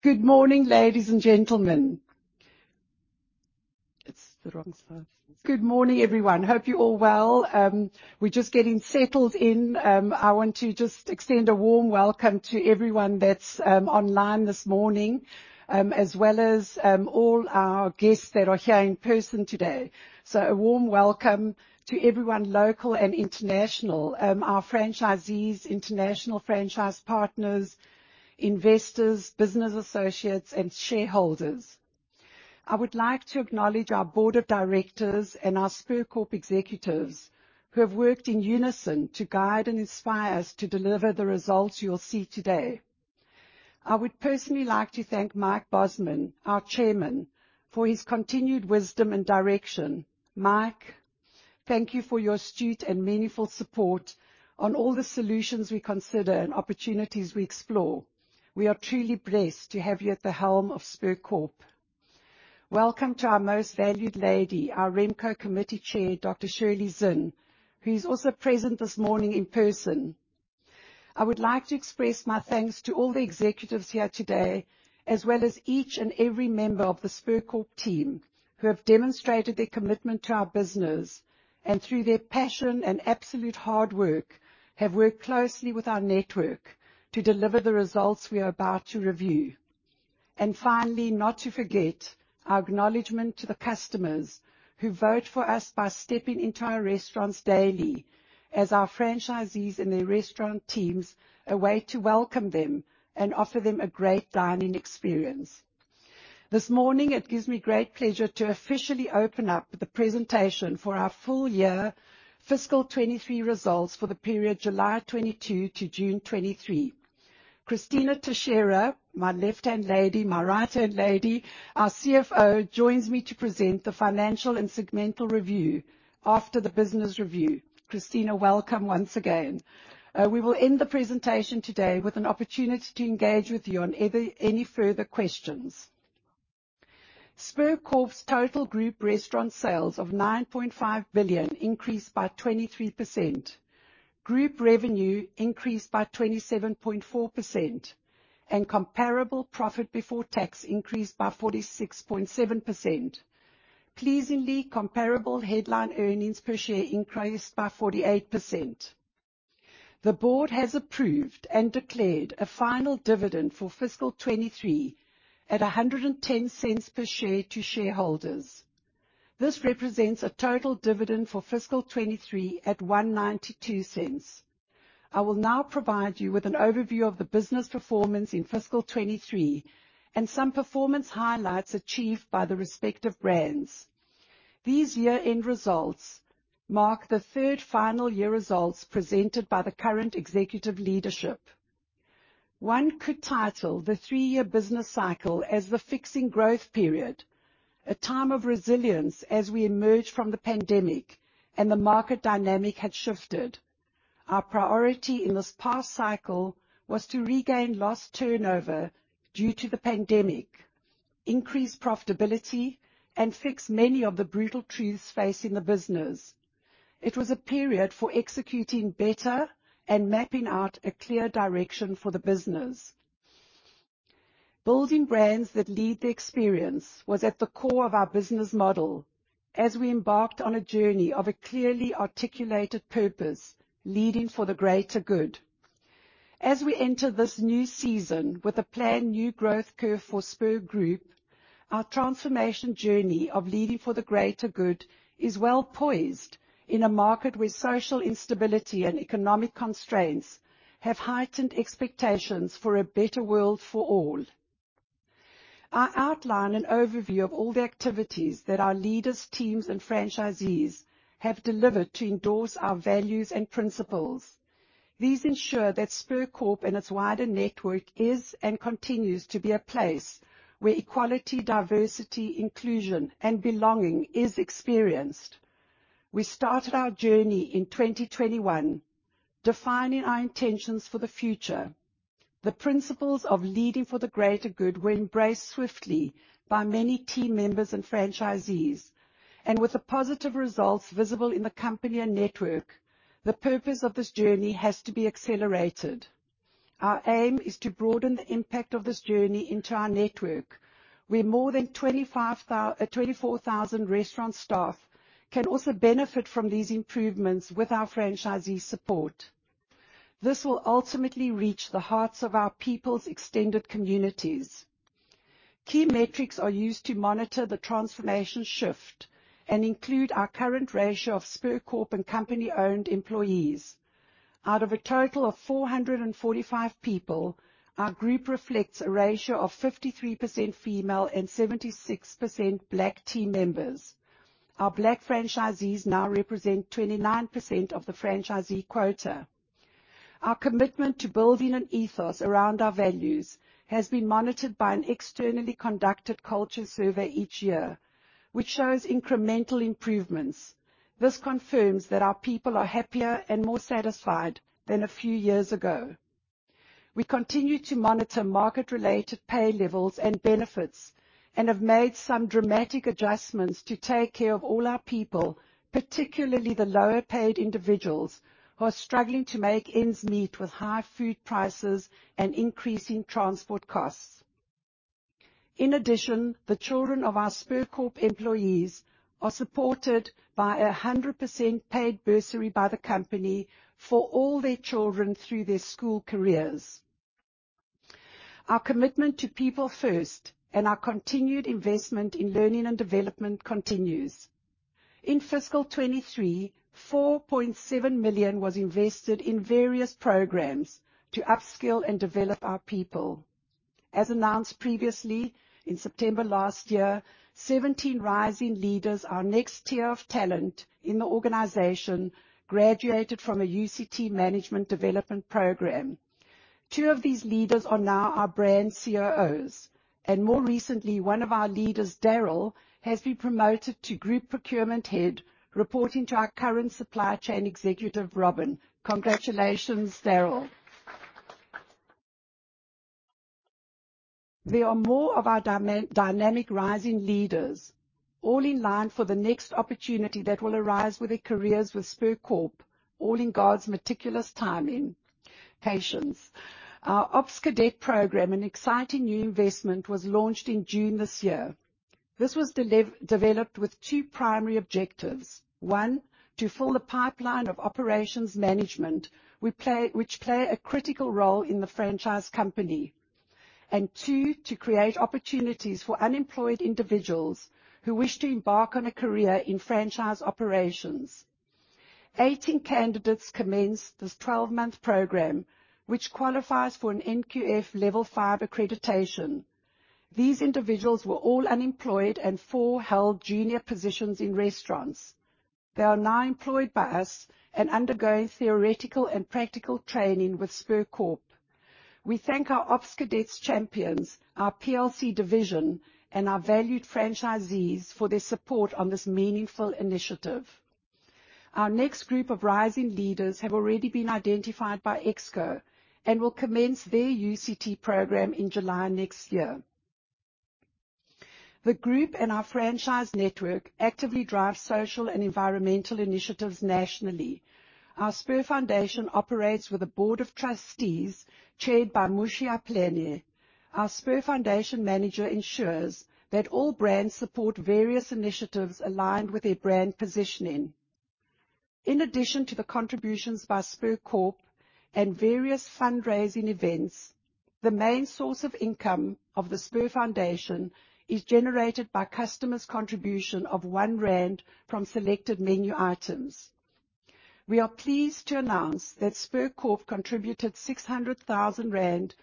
Good morning, ladies and gentlemen. It's the wrong slide. Good morning, everyone. Hope you're all well. We're just getting settled in. I want to just extend a warm welcome to everyone that's online this morning, as well as all our guests that are here in person today. A warm welcome to everyone, local and international, our franchisees, international franchise partners, investors, business associates, and shareholders. I would like to acknowledge our board of directors and our Spur Corp executives, who have worked in unison to guide and inspire us to deliver the results you will see today. I personally like to thank Mike Bosman, our chairman, for his continued wisdom and direction. Mike, thank you for your astute and meaningful support on all the solutions we consider and opportunities we explore. We are truly blessed to have you at the helm of Spur Corp. Welcome to our most valued lady, our Remco committee chair, Dr. Shirley Zinn, who is also present this morning in person. I would like to express my thanks to all the executives here today, as well as each and every member of the Spur Corp team, who have demonstrated their commitment to our business, and through their passion and absolute hard work, have worked closely with our network to deliver the results we are about to review. Finally, not to forget, our acknowledgement to the customers who vote for us by stepping into our restaurants daily, as our franchisees and their restaurant teams, a way to welcome them and offer them a great dining experience. This morning, it gives me great pleasure to officially open up the presentation for our full year fiscal 2023 results for the period July 2022 to June 2023. Cristina Teixeira, my left-hand lady, my right-hand lady, our CFO, joins me to present the financial and segmental review after the business review. Cristina, welcome once again. We will end the presentation today with an opportunity to engage with you on either any further questions. Spur Corp's total group restaurant sales of 9.5 billion increased by 23%. Group revenue increased by 27.4%, and comparable profit before tax increased by 46.7%. Pleasingly, comparable headline earnings per share increased by 48%. The board has approved and declared a final dividend for fiscal 2023 at 1.10 per share to shareholders. This represents a total dividend for fiscal 2023 at 1.92. I will now provide you with an overview of the business performance in fiscal 2023 and some performance highlights achieved by the respective brands. These year-end results mark the third final year results presented by the current executive leadership. One could title the three-year business cycle as the fixing growth period, a time of resilience as we emerged from the pandemic and the market dynamic had shifted. Our priority in this past cycle was to regain lost turnover due to the pandemic, increase profitability, and fix many of the brutal truths facing the business. It was a period for executing better and mapping out a clear direction for the business. Building brands that lead the experience was at the core of our business model as we embarked on a journey of a clearly articulated purpose, leading for the greater good. As we enter this new season with a planned new growth curve for Spur Corporation, our transformation journey of leading for the greater good is well poised in a market where social instability and economic constraints have heightened expectations for a better world for all. I outline an overview of all the activities that our leaders, teams, and franchisees have delivered to endorse our values and principles. These ensure that Spur Corp and its wider network is and continues to be a place where equality, diversity, inclusion, and belonging is experienced. We started our journey in 2021, defining our intentions for the future. The principles of leading for the greater good were embraced swiftly by many team members and franchisees. With the positive results visible in the company and network, the purpose of this journey has to be accelerated. Our aim is to broaden the impact of this journey into our network, where more than 24,000 restaurant staff can also benefit from these improvements with our franchisee support. This will ultimately reach the hearts of our people's extended communities. Key metrics are used to monitor the transformation shift and include our current ratio of Spur Corp and company-owned employees. Out of a total of 445 people, our group reflects a ratio of 53% female and 76% Black team members. Our Black franchisees now represent 29% of the franchisee quota. Our commitment to building an ethos around our values has been monitored by an externally conducted culture survey each year, which shows incremental improvements. This confirms that our people are happier and more satisfied than a few years ago. We continue to monitor market-related pay levels and benefits and have made some dramatic adjustments to take care of all our people, particularly the lower paid individuals who are struggling to make ends meet with high food prices and increasing transport costs. In addition, the children of our Spur Corp employees are supported by a 100% paid bursary by the company for all their children through their school careers. Our commitment to people first and our continued investment in learning and development continues. In fiscal 2023, 4.7 million was invested in various programs to upskill and develop our people. As announced previously, in September last year, 17 rising leaders, our next tier of talent in the organization, graduated from a UCT management development program. More recently, two of these leaders are now our brand COOs, one of our leaders, Daryl, has been promoted to Group Procurement Head, reporting to our current supply chain executive, Robin. Congratulations, Daryl. There are more of our dynamic rising leaders, all in line for the next opportunity that will arise with their careers with Spur Corp. All in God's meticulous timing. Patience. Our Ops Cadet program, an exciting new investment, was launched in June this year. This was developed with two primary objectives: One, to fill the pipeline of operations management, which play a critical role in the franchise company. Two, to create opportunities for unemployed individuals who wish to embark on a career in franchise operations. 18 candidates commenced this 12-month program, which qualifies for an NQF Level 5 accreditation. These individuals were all unemployed, and four held junior positions in restaurants. They are now employed by us and undergoing theoretical and practical training with Spur Corp. We thank our Ops Cadets champions, our PLC division, and our valued franchisees for their support on this meaningful initiative. Our next group of rising leaders have already been identified by ExCo and will commence their UCT program in July next year. The group and our franchise network actively drive social and environmental initiatives nationally. Our Spur Foundation operates with a board of trustees chaired by Moshe Apleni. Our Spur Foundation manager ensures that all brands support various initiatives aligned with their brand positioning. In addition to the contributions by Spur Corp and various fundraising events, the main source of income of the Spur Foundation is generated by customers' contribution of 1 rand from selected menu items. We are pleased to announce that Spur Corp contributed 600,000 rand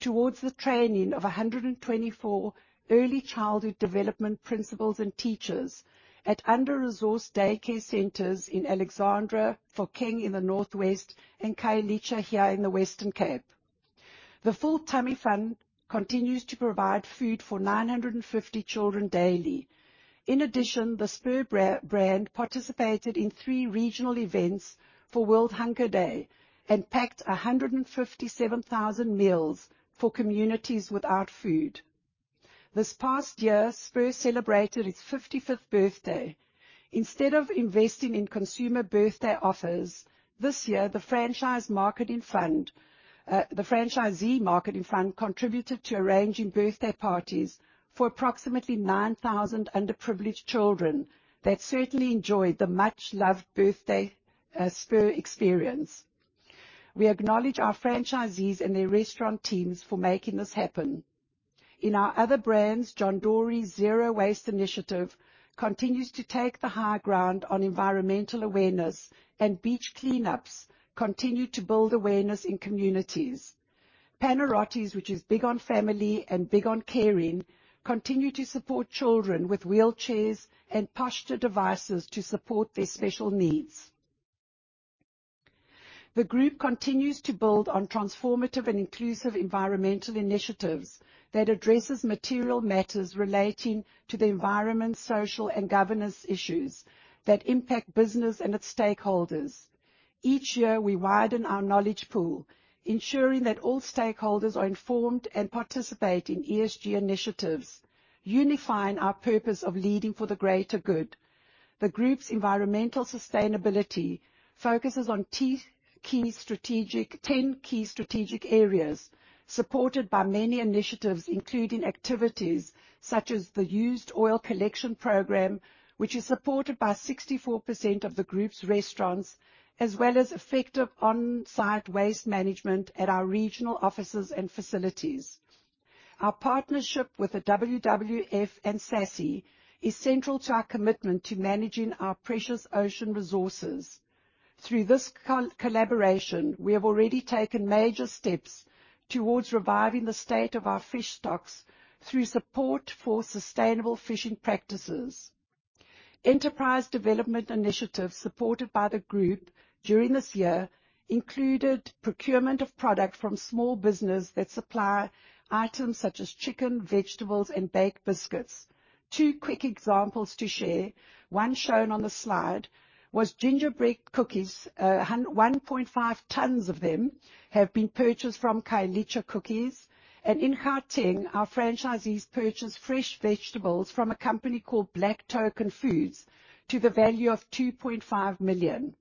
towards the training of 124 early childhood development principals and teachers at under-resourced daycare centers in Alexandra, Phokeng in the Northwest, and Khayelitsha here in the Western Cape. The Full Tummy Fund continues to provide food for 950 children daily. In addition, the Spur brand participated in three regional events for World Hunger Day and packed 157,000 meals for communities without food. This past year, Spur celebrated its 55th birthday. Instead of investing in consumer birthday offers, this year, the Franchisee Marketing Fund contributed to arranging birthday parties for approximately 9,000 underprivileged children that certainly enjoyed the much-loved birthday Spur experience. We acknowledge our franchisees and their restaurant teams for making this happen. In our other brands, John Dory's Zero Waste initiative continues to take the high ground on environmental awareness, and beach cleanups continue to build awareness in communities. Panarottis, which is big on family and big on caring, continue to support children with wheelchairs and posture devices to support their special needs. The group continues to build on transformative and inclusive environmental initiatives that addresses material matters relating to the environment, social, and governance issues that impact business and its stakeholders. Each year, we widen our knowledge pool, ensuring that all stakeholders are informed and participate in ESG initiatives, unifying our purpose of leading for the greater good. The group's environmental sustainability focuses on 10 key strategic areas, supported by many initiatives, including activities such as the Used Oil Collection Program, which is supported by 64% of the group's restaurants, as well as effective on-site waste management at our regional offices and facilities. Our partnership with the WWF and SASSI is central to our commitment to managing our precious ocean resources. Through this collaboration, we have already taken major steps towards reviving the state of our fish stocks through support for sustainable fishing practices. Enterprise development initiatives supported by the group during this year included procurement of product from small business that supply items such as chicken, vegetables, and baked biscuits. Two quick examples to share. One, shown on the slide, was gingerbread cookies. 1.5 tons of them have been purchased from Khayelitsha Cookies, and in Gauteng, our franchisees purchase fresh vegetables from a company called Black Token Foods to the value of 2.5 million.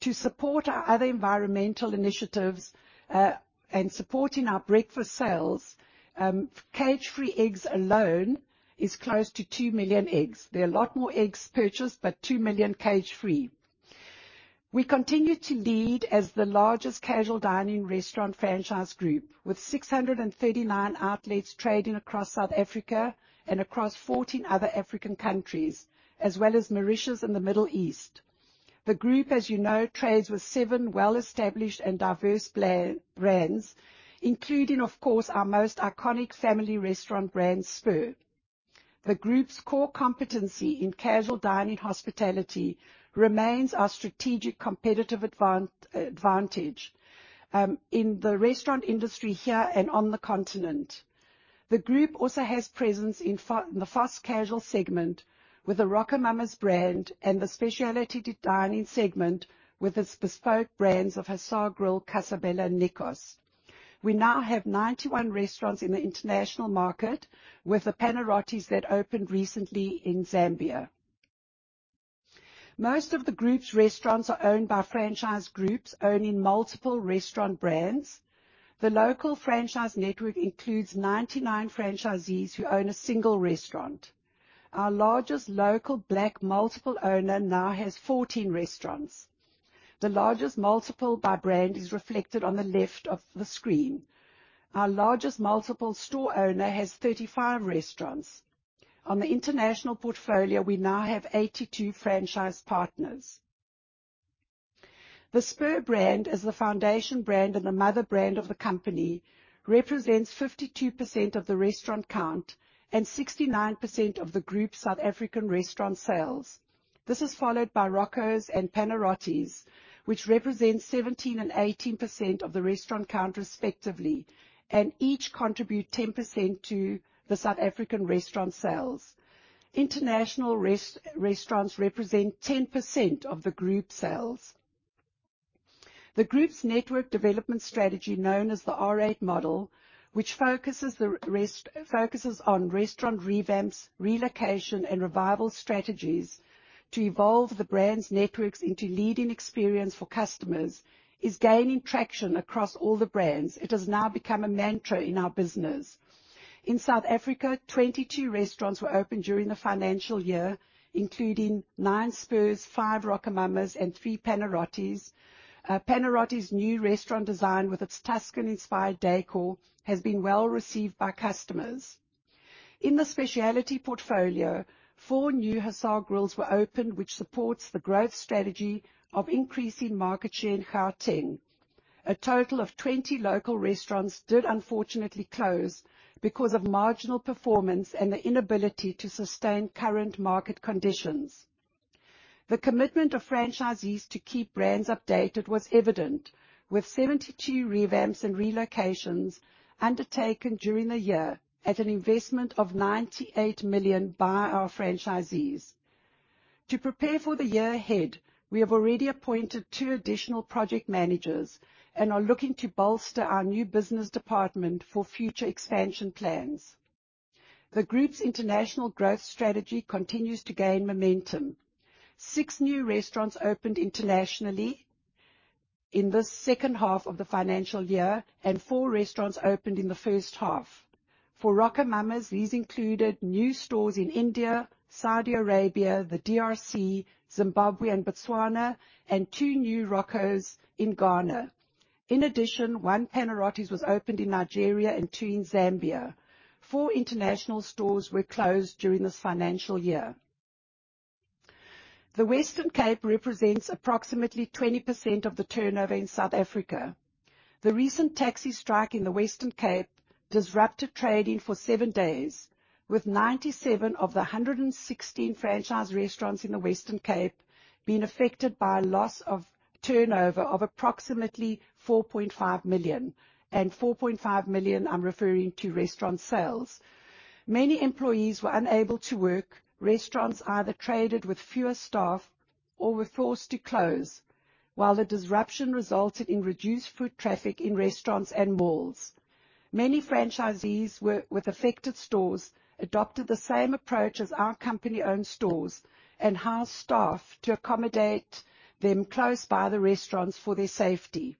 to support our other environmental initiatives, and supporting our breakfast sales, cage-free eggs alone is close to 2 million eggs. There are a lot more eggs purchased, but 2 million cage-free. We continue to lead as the largest casual dining restaurant franchise group, with 639 outlets trading across South Africa and across 14 other African countries, as well as Mauritius and the Middle East. The group, as you know, trades with 7 well-established and diverse brands, including, of course, our most iconic family restaurant brand, Spur. The group's core competency in casual dining hospitality remains our strategic competitive advantage in the restaurant industry here and on the continent. The group also has presence in the fast casual segment with the RocoMamas brand, and the specialty dining segment with its bespoke brands of Hussar Grill, Casa Bella, and Nikos. We now have 91 restaurants in the international market, with the Panarottis that opened recently in Zambia. Most of the group's restaurants are owned by franchise groups owning multiple restaurant brands. The local franchise network includes 99 franchisees who own a 1 restaurant. Our largest local black multiple owner now has 14 restaurants. The largest multiple by brand is reflected on the left of the screen. Our largest multiple store owner has 35 restaurants. On the international portfolio, we now have 82 franchise partners. The Spur brand is the foundation brand and the mother brand of the company, represents 52% of the restaurant count and 69% of the group's South African restaurant sales. This is followed by Roco's and Panarottis, which represent 17 and 18% of the restaurant count respectively, and each contribute 10% to the South African restaurant sales. International restaurants represent 10% of the group sales. The group's network development strategy, known as the R8 model, which focuses on restaurant revamps, relocation, and revival strategies to evolve the brand's networks into leading experience for customers, is gaining traction across all the brands. It has now become a mantra in our business. In South Africa, 22 restaurants were opened during the financial year, including 9 Spurs, 5 RocoMamas, and 3 Panarottis. Panarottis' new restaurant design, with its Tuscan-inspired decor, has been well received by customers. In the specialty portfolio, four new Hussar Grills were opened, which supports the growth strategy of increasing market share in Gauteng. A total of 20 local restaurants did unfortunately close because of marginal performance and the inability to sustain current market conditions. The commitment of franchisees to keep brands updated was evident, with 72 revamps and relocations undertaken during the year, at an investment of 98 million by our franchisees. To prepare for the year ahead, we have already appointed two additional project managers and are looking to bolster our new business department for future expansion plans. The group's international growth strategy continues to gain momentum. Six new restaurants opened internationally in the second half of the financial year, and four restaurants opened in the first half. For RocoMamas, these included new stores in India, Saudi Arabia, the DRC, Zimbabwe, and Botswana, two new Rocos in Ghana. In addition, one Panarottis was opened in Nigeria and 2 in Zambia. Four international stores were closed during this financial year. The Western Cape represents approximately 20% of the turnover in South Africa. The recent taxi strike in the Western Cape disrupted trading for 7 days, with 97 of the 116 franchise restaurants in the Western Cape being affected by a loss of turnover of approximately 4.5 million, and 4.5 million, I'm referring to restaurant sales. Many employees were unable to work. Restaurants either traded with fewer staff or were forced to close, while the disruption resulted in reduced foot traffic in restaurants and malls. Many franchisees with affected stores adopted the same approach as our company-owned stores and housed staff to accommodate them close by the restaurants for their safety.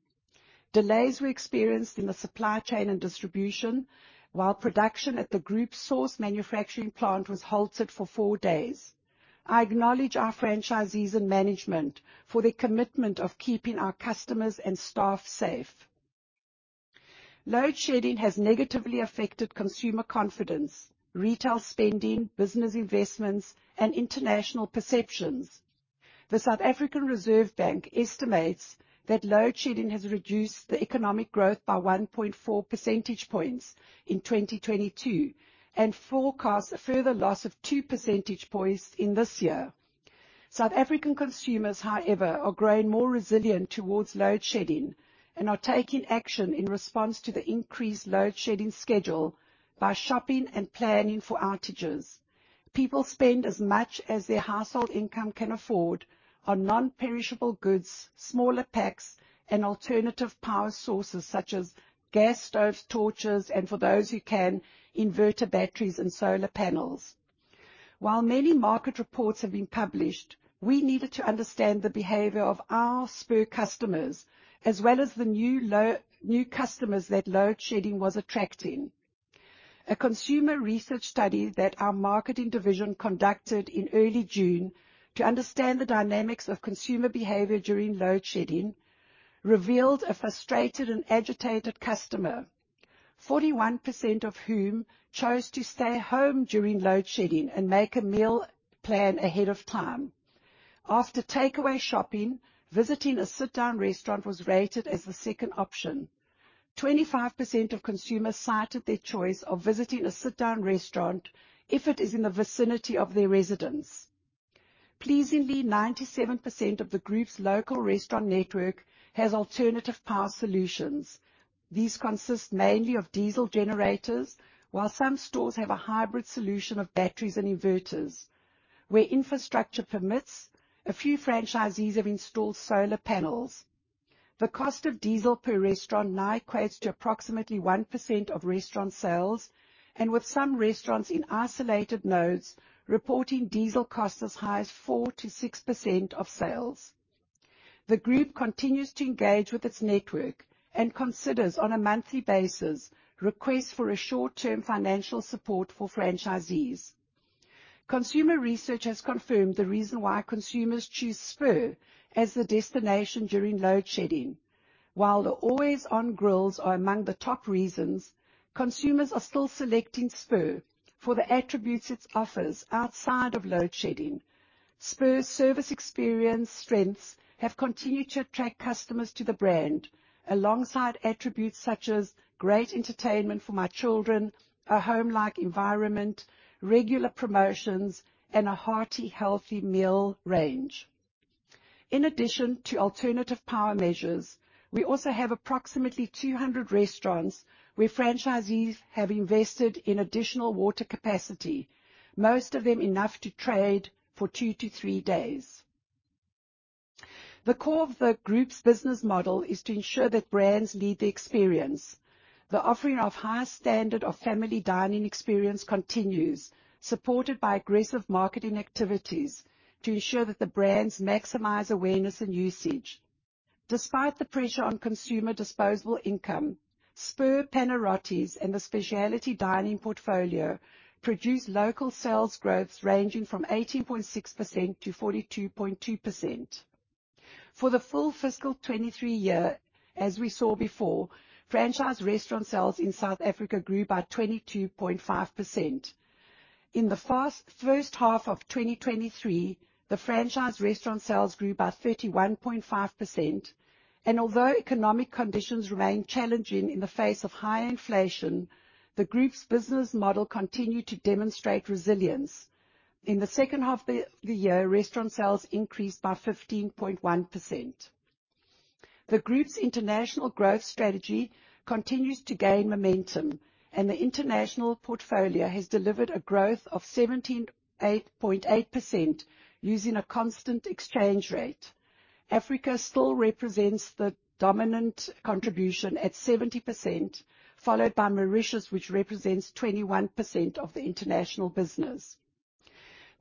Delays were experienced in the supply chain and distribution, while production at the group's source manufacturing plant was halted for four days. I acknowledge our franchisees and management for their commitment of keeping our customers and staff safe. Load shedding has negatively affected consumer confidence, retail spending, business investments, and international perceptions. The South African Reserve Bank estimates that load shedding has reduced the economic growth by 1.4 percentage points in 2022 and forecasts a further loss of two percentage points in this year. South African consumers, however, are growing more resilient towards load shedding and are taking action in response to the increased load shedding schedule by shopping and planning for outages. People spend as much as their household income can afford on non-perishable goods, smaller packs and alternative power sources, such as gas stoves, torches, and for those who can, inverter batteries and solar panels. While many market reports have been published, we needed to understand the behavior of our Spur customers, as well as the new low, new customers that load shedding was attracting. A consumer research study that our marketing division conducted in early June to understand the dynamics of consumer behavior during load shedding, revealed a frustrated and agitated customer, 41% of whom chose to stay home during load shedding and make a meal plan ahead of time. After takeaway shopping, visiting a sit-down restaurant was rated as the second option. 25% of consumers cited their choice of visiting a sit-down restaurant if it is in the vicinity of their residence. Pleasingly, 97% of the group's local restaurant network has alternative power solutions. These consist mainly of diesel generators, while some stores have a hybrid solution of batteries and inverters. Where infrastructure permits, a few franchisees have installed solar panels. The cost of diesel per restaurant now equates to approximately 1% of restaurant sales, and with some restaurants in isolated nodes reporting diesel costs as high as 4%-6% of sales. The group continues to engage with its network and considers, on a monthly basis, requests for a short-term financial support for franchisees. Consumer research has confirmed the reason why consumers choose Spur as the destination during load shedding. While the always-on grills are among the top reasons, consumers are still selecting Spur for the attributes it offers outside of load shedding. Spur's service experience strengths have continued to attract customers to the brand, alongside attributes such as great entertainment for my children, a home-like environment, regular promotions, and a hearty, healthy meal range. In addition to alternative power measures, we also have approximately 200 restaurants where franchisees have invested in additional water capacity, most of them enough to trade for 2-3 days. The core of the group's business model is to ensure that brands lead the experience. The offering of high standard of family dining experience continues, supported by aggressive marketing activities to ensure that the brands maximize awareness and usage. Despite the pressure on consumer disposable income, Spur, Panarottis, and the specialty dining portfolio produced local sales growths ranging from 18.6%-42.2%. For the full fiscal 2023 year, as we saw before, franchise restaurant sales in South Africa grew by 22.5%. In the first half of 2023, the franchise restaurant sales grew by 31.5%. Although economic conditions remain challenging in the face of high inflation, the group's business model continued to demonstrate resilience. In the second half of the year, restaurant sales increased by 15.1%. The group's international growth strategy continues to gain momentum. The international portfolio has delivered a growth of 78.8% using a constant exchange rate. Africa still represents the dominant contribution at 70%, followed by Mauritius, which represents 21% of the international business.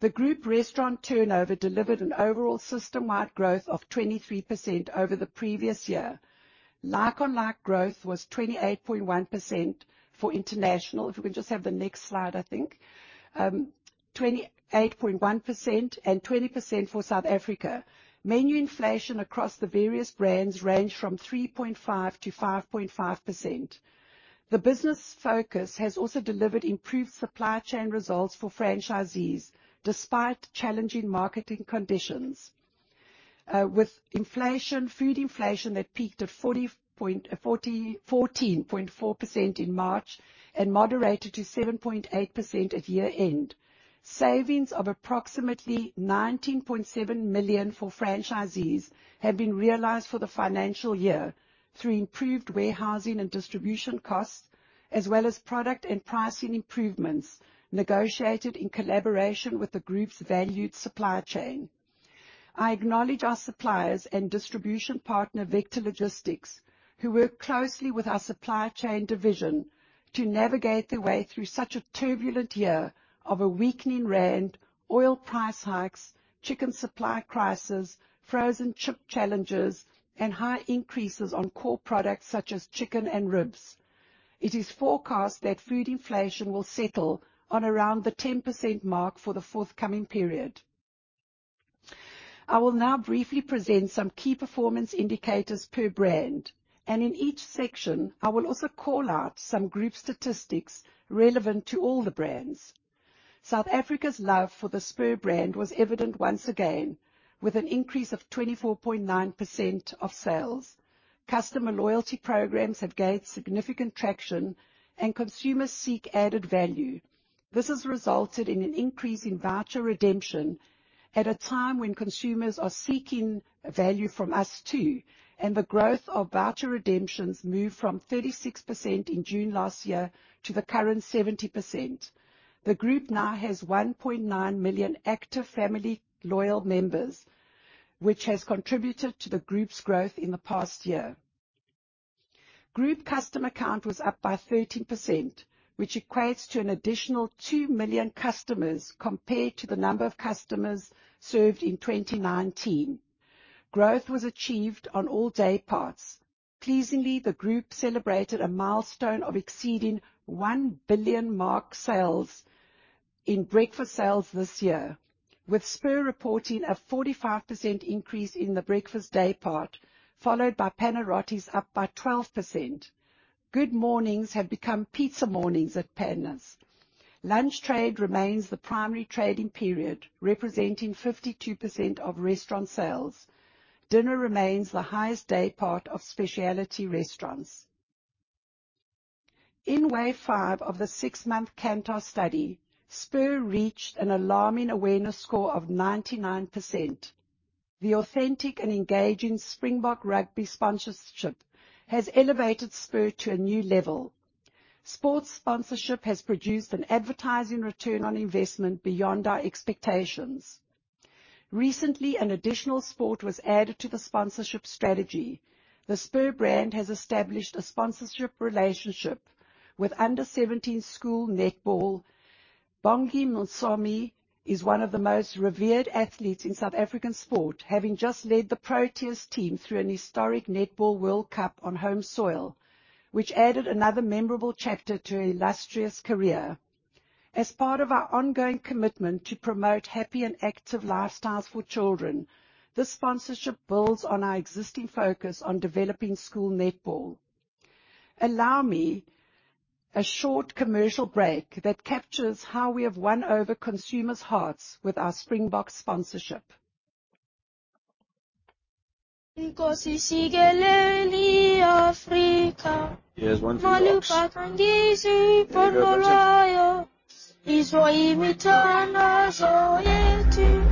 The group restaurant turnover delivered an overall system-wide growth of 23% over the previous year. Like-on-like growth was 28.1% for international. If we can just have the next slide, I think. 28.1% and 20% for South Africa. Menu inflation across the various brands range from 3.5%-5.5%. The business focus has also delivered improved supply chain results for franchisees, despite challenging marketing conditions. with inflation, food inflation that peaked at 14.4% in March and moderated to 7.8% at year-end. Savings of approximately 19.7 million for franchisees have been realized for the financial year through improved warehousing and distribution costs, as well as product and pricing improvements negotiated in collaboration with the group's valued supply chain. I acknowledge our suppliers and distribution partner, Vector Logistics, who work closely with our supply chain division to navigate their way through such a turbulent year of a weakening South African rand, oil price hikes, chicken supply crisis, frozen chip challenges, and high increases on core products such as chicken and ribs. It is forecast that food inflation will settle on around the 10% mark for the forthcoming period. I will now briefly present some key performance indicators per brand, and in each section, I will also call out some group statistics relevant to all the brands. South Africa's love for the Spur brand was evident once again, with an increase of 24.9% of sales. Customer loyalty programs have gained significant traction, and consumers seek added value. This has resulted in an increase in voucher redemption at a time when consumers are seeking value from us, too. The growth of voucher redemptions moved from 36% in June last year to the current 70%. The group now has 1.9 million active family loyal members, which has contributed to the group's growth in the past year. Group customer count was up by 13%, which equates to an additional 2 million customers compared to the number of customers served in 2019. Growth was achieved on all day parts. Pleasingly, the group celebrated a milestone of exceeding 1 billion mark sales in breakfast sales this year, with Spur reporting a 45% increase in the breakfast day part, followed by Panarottis, up by 12%. Good mornings have become pizza mornings at Pana's. Lunch trade remains the primary trading period, representing 52% of restaurant sales. Dinner remains the highest day part of specialty restaurants. In wave 5 of the 6-month Kantar study, Spur reached an alarming awareness score of 99%. The authentic and engaging Springbok Rugby sponsorship has elevated Spur to a new level. Sports sponsorship has produced an advertising ROI beyond our expectations. Recently, an additional sport was added to the sponsorship strategy. The Spur brand has established a sponsorship relationship with under 17 school netball. Bongiwe Msomi is one of the most revered athletes in South African sport, having just led the Proteas team through an historic Netball World Cup on home soil, which added another memorable chapter to her illustrious career. As part of our ongoing commitment to promote happy and active lifestyles for children, this sponsorship builds on our existing focus on developing school netball. Allow me a short commercial break that captures how we have won over consumers' hearts with our Springboks sponsorship. Nkosi Sikelel' iAfrika. Here's one Springboks. Malupakangishisu kukhanya. There you go, guys. Izwo yimitima yethu,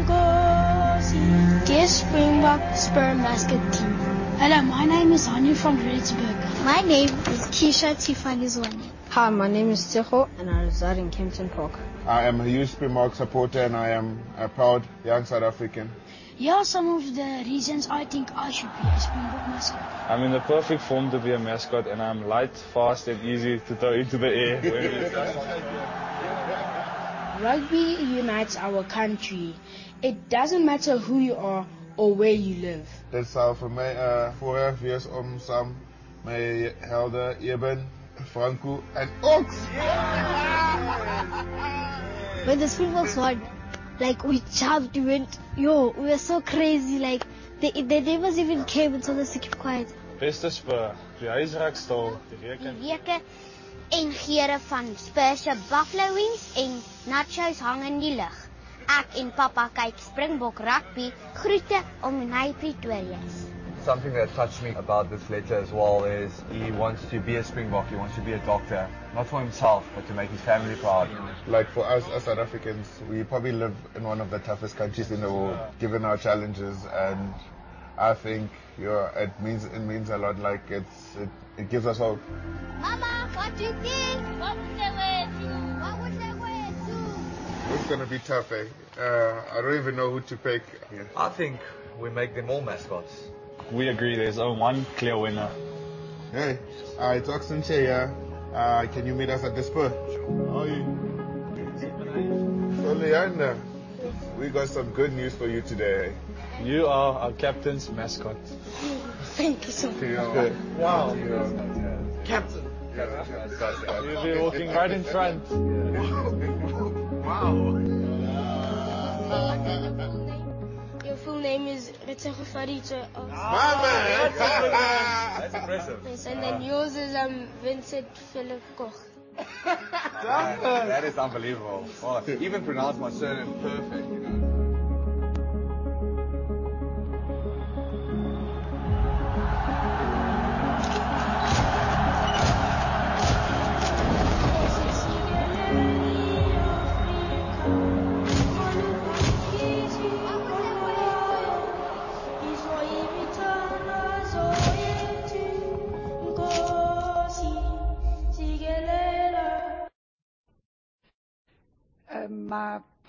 Nkosi. Dear Springbok Spur mascot team, hello, my name is Hani from Rietfontein. My name is Keisha Thifane Zwane. Hi, my name is Tsego, and I reside in Kempton Park. I am a huge Springbok supporter, and I am a proud young South African. Here are some of the reasons I think I should be a Springbok mascot. I'm in the perfect form to be a mascot, and I'm light, fast, and easy to throw into the air wherever. Rugby unites our country. It doesn't matter who you are or where you live. It's all for me, for us all, some my elder, Eben, Franco, and Ox. When the Springboks won, like, we jumped, we went, "Yo!" We were so crazy, like, the, the neighbors even came until us to keep quiet. Best is for the house rack stall to reke. The reke and geere van Spur's buffalo wings and nachos hang in the air. Ek en Pappa kyk Springbok rugby. Groete om Ny Pretoria. Something that touched me about this letter as well is he wants to be a Springbok. He wants to be a doctor, not for himself, but to make his family proud. Like, for us, as South Africans, we probably live in one of the toughest countries in the world, given our challenges, and I think, you know, it means, it means a lot, like, It gives us hope. Mama, what do you think? What do you think? What would you do? It's gonna be tough, eh? I don't even know who to pick. I think we make them all mascots. We agree, there's only one clear winner. Hey, it's Ox Nche here. Can you meet us at the Spur? Hi. Leana, we got some good news for you today. You are our captains mascot. Oh, thank you so much! You're... Wow! Captain. Yeah. You'll be walking right in front. Wow. Wow. What is your full name? Your full name is Reetshego Faritse Osman. Ah, that's impressive. Then yours is, Vincent Philip Koch. That is unbelievable. Oh, even pronounced my surname perfect. My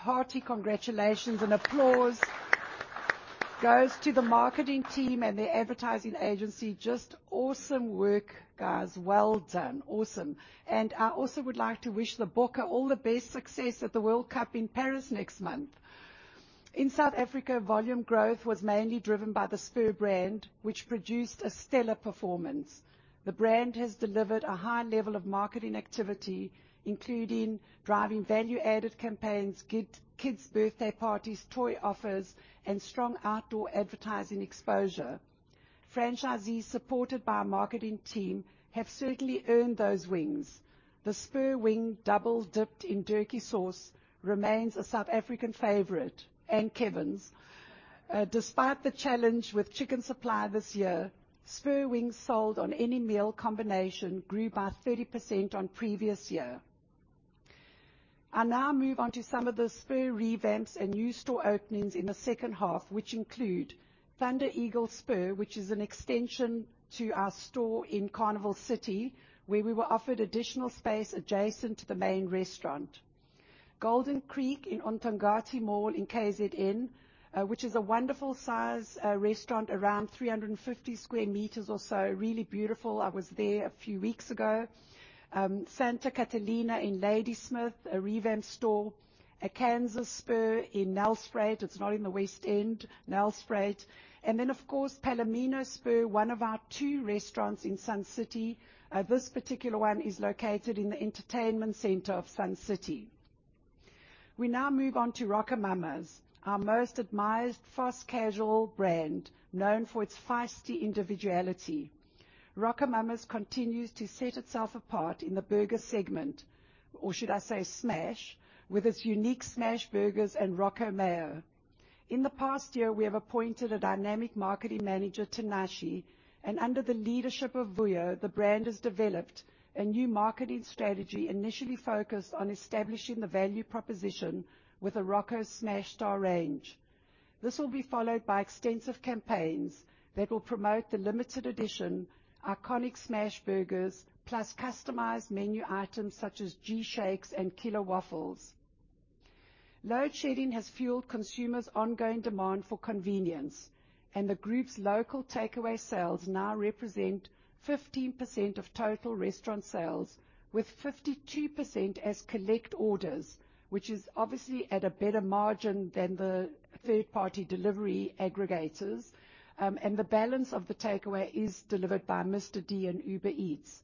hearty congratulations and applause goes to the marketing team and the advertising agency. Just awesome work, guys. Well done. Awesome. I also would like to wish the Bokke all the best success at the Rugby World Cup in Paris next month. In South Africa, volume growth was mainly driven by the Spur brand, which produced a stellar performance. The brand has delivered a high level of marketing activity, including driving value-added campaigns, kid, kids' birthday parties, toy offers, and strong outdoor advertising exposure. Franchisees, supported by our marketing team, have certainly earned those wings. The Spur wing, double-dipped in Durky sauce, remains a South African favorite and Kevin's. Despite the challenge with chicken supply this year, Spur wings sold on any meal combination grew by 30% on previous year. I'll now move on to some of the Spur revamps and new store openings in the second half, which include Thunder Eagle Spur, which is an extension to our store in Carnival City, where we were offered additional space adjacent to the main restaurant. Golden Creek in Mtuba Mall in KZN, which is a wonderful size restaurant, around 350 square meters or so. Really beautiful. I was there a few weeks ago. Santa Catalina in Ladysmith, a revamped store, Arkansas Spur in Nelspruit. It's not in the West End, Nelspruit. Then, of course, Palomino Spur, one of our 2 restaurants in Sun City. This particular one is located in the entertainment center of Sun City. We now move on to RocoMamas, our most admired fast casual brand, known for its feisty individuality. RocoMamas continues to set itself apart in the burger segment, or should I say smash, with its unique smash burgers and Roco Mayo. In the past year, we have appointed a dynamic marketing manager, Tanashi, and under the leadership of Vuyo, the brand has developed a new marketing strategy, initially focused on establishing the value proposition with a RocoMamas Smash Star range. This will be followed by extensive campaigns that will promote the limited edition iconic smash burgers, plus customized menu items such as G-Shakes and Killer Waffles. Load shedding has fueled consumers' ongoing demand for convenience, and the group's local takeaway sales now represent 15% of total restaurant sales, with 52% as collect orders, which is obviously at a better margin than the third-party delivery aggregators. The balance of the takeaway is delivered by Mr D and Uber Eats.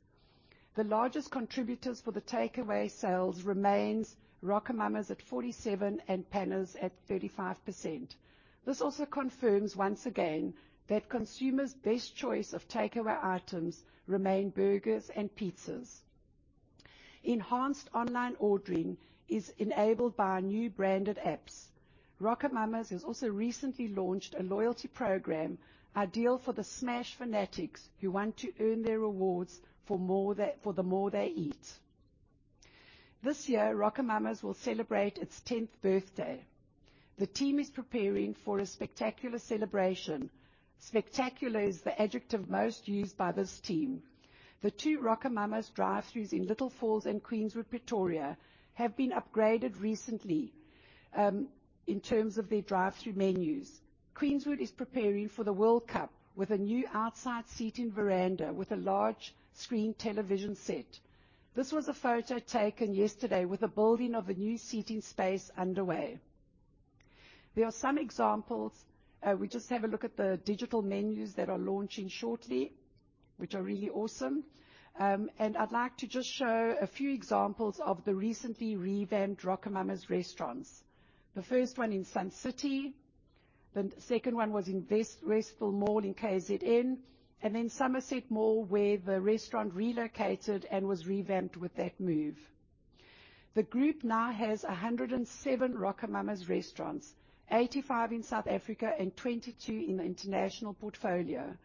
The largest contributors for the takeaway sales remains RocoMamas at 47 and Panos at 35%. This also confirms, once again, that consumers' best choice of takeaway items remain burgers and pizzas. Enhanced online ordering is enabled by our new branded apps. RocoMamas has also recently launched a loyalty program, ideal for the smash fanatics, who want to earn their rewards for the more they eat. This year, RocoMamas will celebrate its 10th birthday. The team is preparing for a spectacular celebration. Spectacular is the adjective most used by this team. The 2 RocoMamas drive-throughs in Little Falls and Queenswood, Pretoria, have been upgraded recently in terms of their drive-through menus. Queenswood is preparing for the World Cup with a new outside seating veranda with a large screen television set. This was a photo taken yesterday with the building of a new seating space underway. There are some examples. We just have a look at the digital menus that are launching shortly, which are really awesome. I'd like to just show a few examples of the recently revamped RocoMamas restaurants. The first one in Sun City, the second one was in Westville Mall in KZN, then Somerset Mall, where the restaurant relocated and was revamped with that move. The group now has 107 RocoMamas restaurants, 85 in South Africa and 22 in the international portfolio.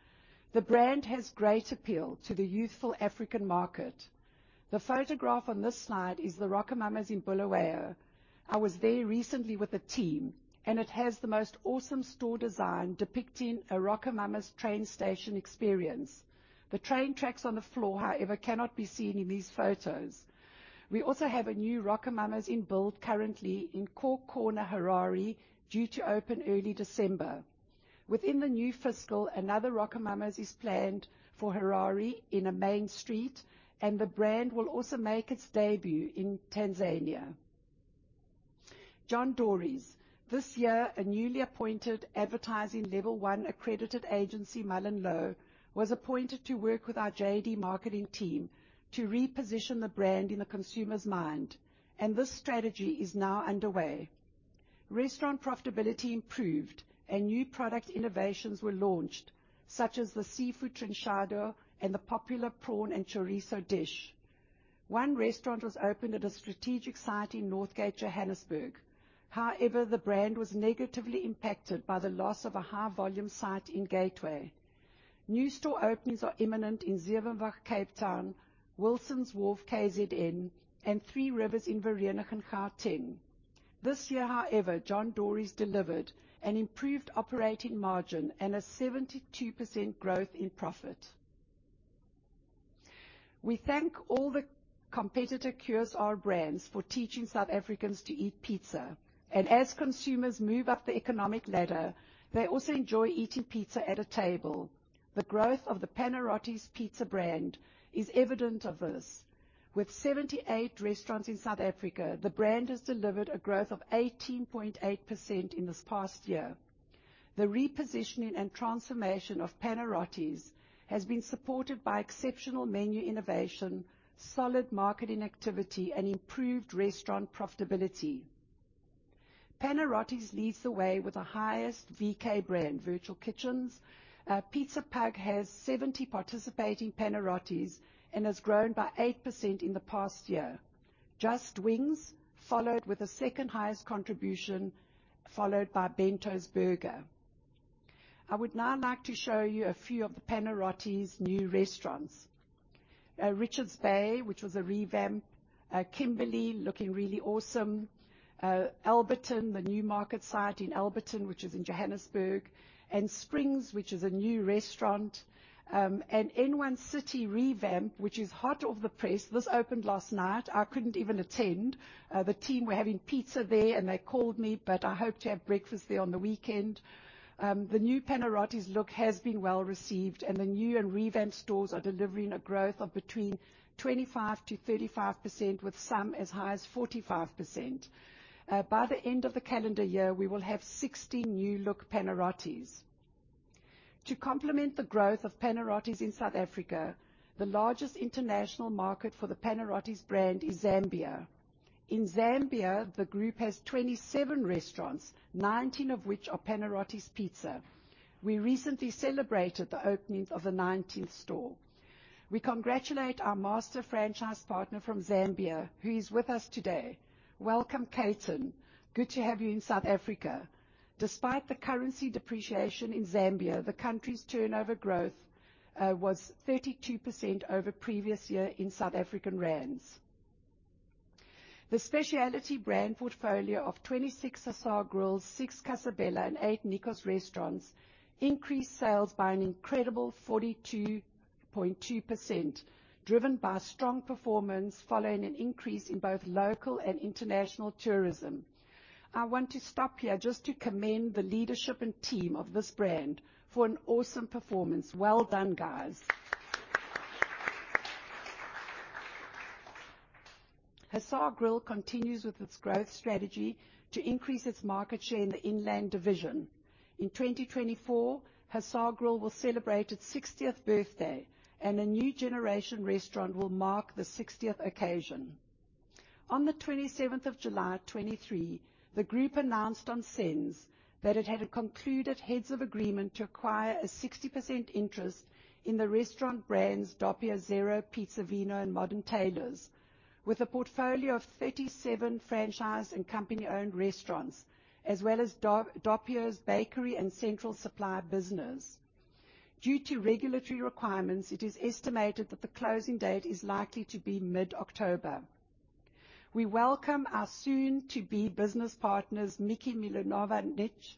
The brand has great appeal to the youthful African market. The photograph on this slide is the RocoMamas in Bulawayo. I was there recently with the team, and it has the most awesome store design, depicting a RocoMamas train station experience. The train tracks on the floor, however, cannot be seen in these photos. We also have a new RocoMamas in build currently in Cork Corner, Harare, due to open early December. Within the new fiscal, another RocoMamas is planned for Harare in a main street, and the brand will also make its debut in Tanzania. John Dory's. This year, a newly appointed advertising level one accredited agency, MullenLowe, was appointed to work with our JD marketing team to reposition the brand in the consumer's mind, and this strategy is now underway. Restaurant profitability improved, and new product innovations were launched, such as the seafood trinchado and the popular prawn and chorizo dish. One restaurant was opened at a strategic site in Northgate, Johannesburg. However, the brand was negatively impacted by the loss of a high-volume site in Gateway. New store openings are imminent in Zevenwacht, Cape Town, Wilson's Wharf, KZN, and Three Rivers in Vereeniging, Gauteng. This year, however, John Dory's delivered an improved operating margin and a 72% growth in profit. We thank all the competitor QSR brands for teaching South Africans to eat pizza, and as consumers move up the economic ladder, they also enjoy eating pizza at a table. The growth of the Panarottis pizza brand is evident of this. With 78 restaurants in South Africa, the brand has delivered a growth of 18.8% in this past year. The repositioning and transformation of Panarottis has been supported by exceptional menu innovation, solid marketing activity, and improved restaurant profitability. Panarottis leads the way with the highest VK brand, virtual kitchens. Pizza Pug has 70 participating Panarottis and has grown by 8% in the past year. Just Wingz followed with the second highest contribution, followed by Bento's Burger. I would now like to show you a few of the Panarottis new restaurants. Richards Bay, which was a revamp. Kimberley, looking really awesome. Alberton, the new market site in Alberton, which is in Johannesburg, and Springs, which is a new restaurant, and N1 City revamp, which is hot off the press. This opened last night. I couldn't even attend. The team were having pizza there, and they called me. I hope to have breakfast there on the weekend. The new Panarottis look has been well received. The new and revamped stores are delivering a growth of between 25%-35%, with some as high as 45%. By the end of the calendar year, we will have 60 new look Panarottis. To complement the growth of Panarottis in South Africa, the largest international market for the Panarottis brand is Zambia. In Zambia, the group has 27 restaurants, 19 of which are Panarottis Pizza. We recently celebrated the opening of the nineteenth store. We congratulate our master franchise partner from Zambia, who is with us today. Welcome, Kayton. Good to have you in South Africa. Despite the currency depreciation in Zambia, the country's turnover growth was 32% over previous year in South African rands. The specialty brand portfolio of 26 Hussar Grills, 6 Casa Bella, and 8 Nikos restaurants increased sales by an incredible 42.2%, driven by strong performance following an increase in both local and international tourism. I want to stop here just to commend the leadership and team of this brand for an awesome performance. Well done, guys. Hussar Grill continues with its growth strategy to increase its market share in the inland division. In 2024, Hussar Grill will celebrate its 60th birthday, a new generation restaurant will mark the 60th occasion. On the 27th of July, 2023, the group announced on SENS that it had concluded heads of agreement to acquire a 60% interest in the restaurant brands Doppio Zero, Piza e Vino, and Modern Tailors, with a portfolio of 37 franchise and company-owned restaurants, as well as Doppio's bakery and central supply business. Due to regulatory requirements, it is estimated that the closing date is likely to be mid-October. We welcome our soon-to-be business partners, Miki Milovanovic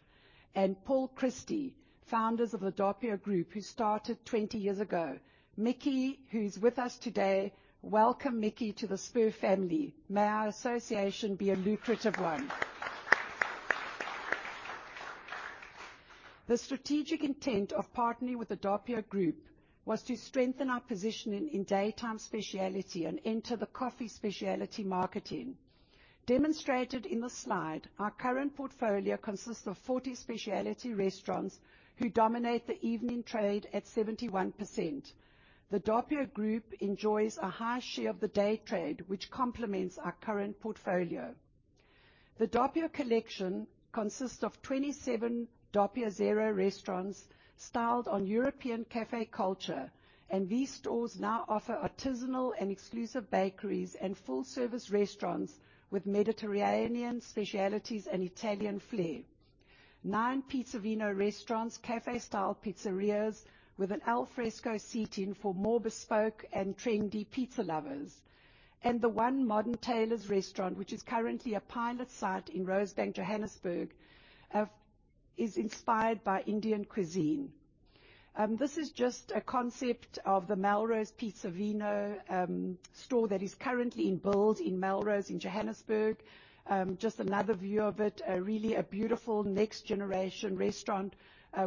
and Paul Christie, founders of the Doppio Group, who started 20 years ago. Miki, who is with us today, welcome, Miki, to the Spur family. May our association be a lucrative one. The strategic intent of partnering with the Doppio Group was to strengthen our positioning in daytime specialty and enter the coffee specialty marketing. Demonstrated in the slide, our current portfolio consists of 40 specialty restaurants who dominate the evening trade at 71%. The Doppio Group enjoys a high share of the day trade, which complements our current portfolio. The Doppio collection consists of 27 Doppio Zero restaurants styled on European cafe culture. These stores now offer artisanal and exclusive bakeries and full-service restaurants with Mediterranean specialties and Italian flair. Nine Piza e Vino restaurants, cafe-style pizzerias with an al fresco seating for more bespoke and trendy pizza lovers. The one Modern Tailors restaurant, which is currently a pilot site in Rosebank, Johannesburg, is inspired by Indian cuisine. This is just a concept of the Melrose Pizza e Vino store that is currently in build in Melrose, in Johannesburg. Just another view of it, really a beautiful next generation restaurant,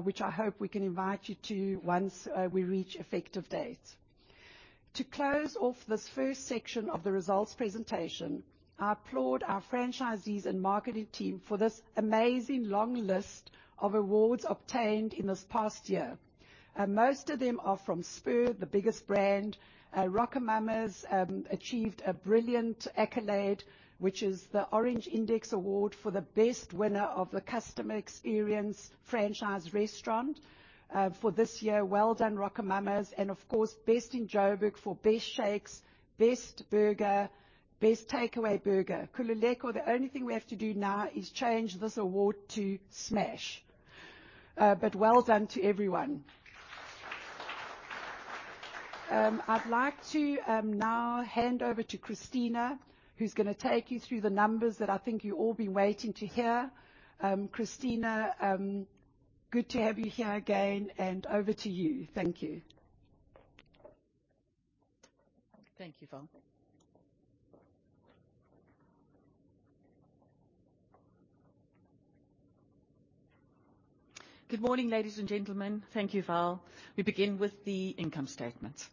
which I hope we can invite you to once we reach effective date. To close off this first section of the results presentation, I applaud our franchisees and marketing team for this amazing long list of awards obtained in this past year. Most of them are from Spur, the biggest brand. RocoMamas achieved a brilliant accolade, which is the Orange Index Award for the best winner of the customer experience franchise restaurant for this year. Well done, RocoMamas, and of course, Best of Joburg for Best Shakes, Best Burger, Best Takeaway Burger. Khululeko, the only thing we have to do now is change this award to Smash. Well done to everyone. I'd like to now hand over to Cristina, who's gonna take you through the numbers that I think you've all been waiting to hear. Cristina, good to have you here again, and over to you. Thank you. Thank you, Val. Good morning, ladies and gentlemen. Thank you, Val. We begin with the income statement.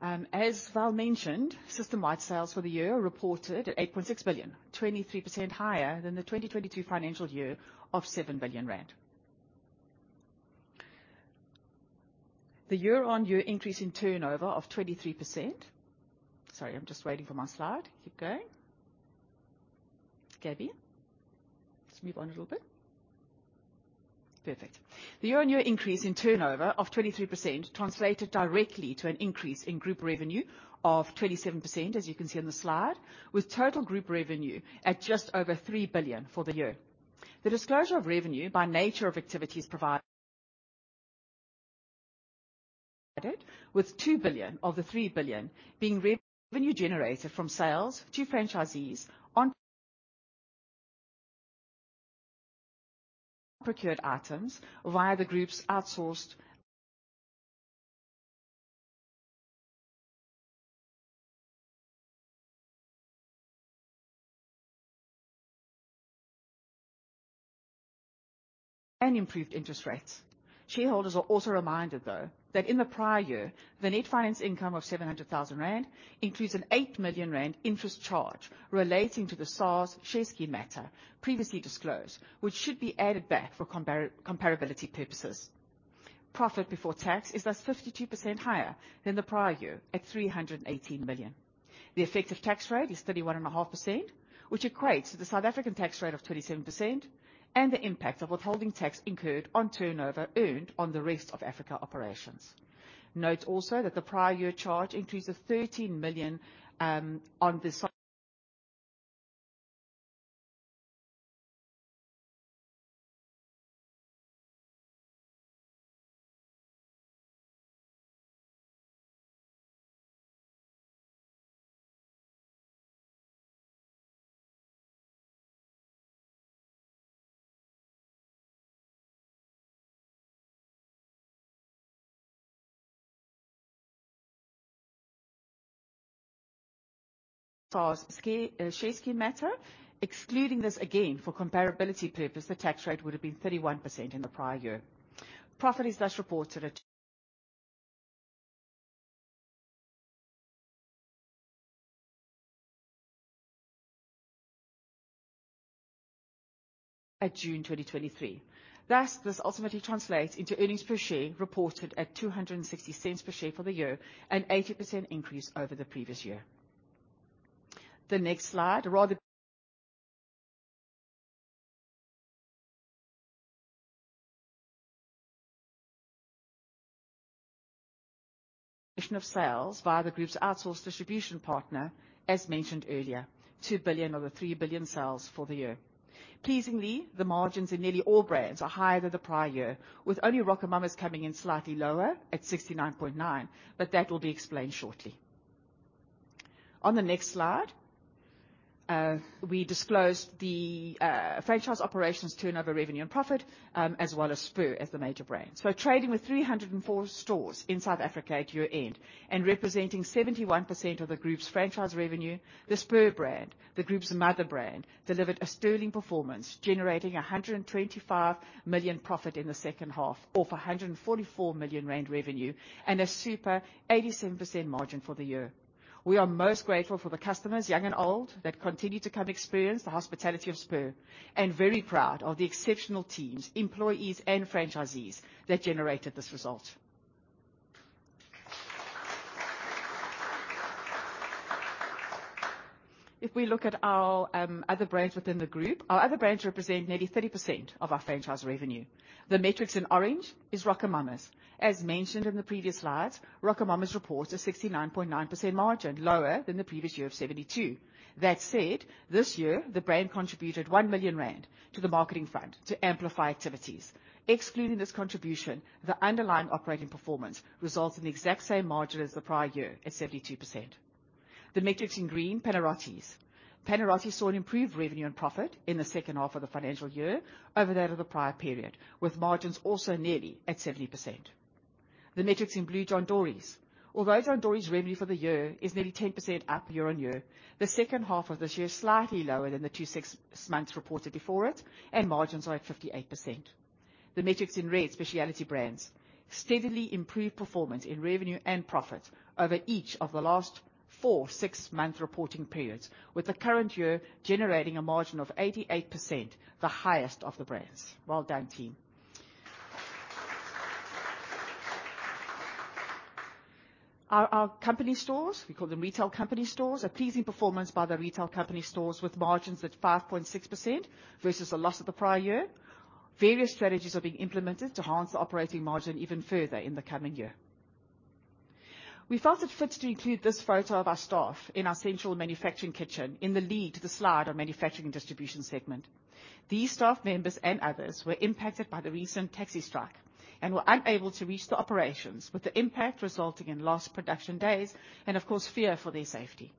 As Val mentioned, system-wide sales for the year reported at 8.6 billion, 23% higher than the 2022 financial year of 7 billion rand. The year-on-year increase in turnover of 23%... Sorry, I'm just waiting for my slide. Keep going. Gabby, just move on a little bit. Perfect. The year-on-year increase in turnover of 23% translated directly to an increase in group revenue of 27%, as you can see on the slide, with total group revenue at just over 3 billion for the year. The disclosure of revenue by nature of activities provided-... with 2 billion of the 3 billion being revenue generated from sales to franchisees on procured items via the group's outsourced and improved interest rates. Shareholders are also reminded, though, that in the prior year, the net finance income of 700,000 rand includes a 8 million rand interest charge relating to the SARS share scheme matter previously disclosed, which should be added back for comparability purposes. Profit before tax is thus 52% higher than the prior year at 318 million. The effective tax rate is 31.5%, which equates to the South African tax rate of 27% and the impact of withholding tax incurred on turnover earned on the rest of Africa operations. Note also that the prior year charge includes a 13 million on the SARS share scheme matter. Excluding this again, for comparability purpose, the tax rate would have been 31% in the prior year. Profit is thus reported at June 2023. Thus, this ultimately translates into earnings per share, reported at 2.60 per share for the year, an 80% increase over the previous year. The next slide of sales via the group's outsourced distribution partner, as mentioned earlier, 2 billion of the 3 billion sales for the year. Pleasingly, the margins in nearly all brands are higher than the prior year, with only RocoMamas coming in slightly lower at 69.9%, but that will be explained shortly. On the next slide, we disclosed the franchise operations turnover, revenue and profit, as well as Spur as the major brands. Trading with 304 stores in South Africa at year-end and representing 71% of the group's franchise revenue, the Spur brand, the group's mother brand, delivered a sterling performance, generating 125 million profit in the second half off 144 million rand revenue and a super 87% margin for the year. We are most grateful for the customers, young and old, that continue to come experience the hospitality of Spur, and very proud of the exceptional teams, employees and franchisees that generated this result. If we look at our other brands within the group, our other brands represent nearly 30% of our franchise revenue. The metrics in orange is RocoMamas. As mentioned in the previous slides, RocoMamas reports a 69.9% margin, lower than the previous year of 72%. That said, this year the brand contributed 1 million rand to the marketing fund to amplify activities. Excluding this contribution, the underlying operating performance results in the exact same margin as the prior year, at 72%. The metrics in green, Panarottis. Panarottis saw improved revenue and profit in the second half of the financial year over that of the prior period, with margins also nearly at 70%. The metrics in blue, John Dory's. Although John Dory's revenue for the year is nearly 10% up year-over-year, the second half of this year is slightly lower than the two sixth months reported before it, and margins are at 58%. The metrics in red, Specialty Brands. Steadily improved performance in revenue and profit over each of the last four six-month reporting periods, with the current year generating a margin of 88%, the highest of the brands. Well done, team. Our company stores, we call them retail company stores, a pleasing performance by the retail company stores, with margins at 5.6% versus a loss of the prior year. Various strategies are being implemented to enhance the operating margin even further in the coming year. We felt it fit to include this photo of our staff in our central manufacturing kitchen in the lead to the slide on manufacturing distribution segment. These staff members and others were impacted by the recent taxi strike and were unable to reach the operations, with the impact resulting in lost production days and, of course, fear for their safety.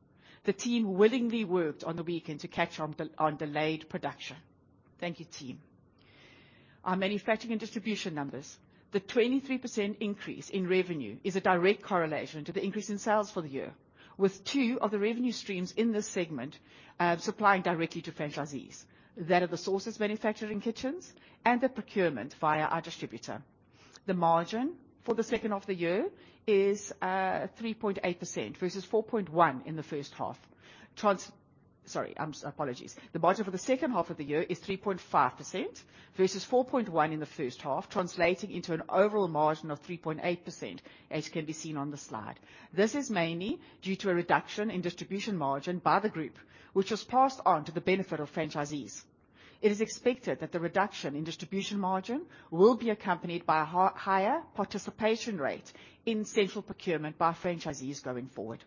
The team willingly worked on the weekend to catch on delayed production. Thank you, team. Our manufacturing and distribution numbers. The 23% increase in revenue is a direct correlation to the increase in sales for the year, with two of the revenue streams in this segment supplying directly to franchisees. That of the sources manufacturing kitchens and the procurement via our distributor. The margin for the second half of the year is 3.8% versus 4.1% in the first half. Apologies. The margin for the second half of the year is 3.5% versus 4.1% in the first half, translating into an overall margin of 3.8%, as can be seen on the slide. This is mainly due to a reduction in distribution margin by the group, which was passed on to the benefit of franchisees. It is expected that the reduction in distribution margin will be accompanied by a higher participation rate in central procurement by franchisees going forward.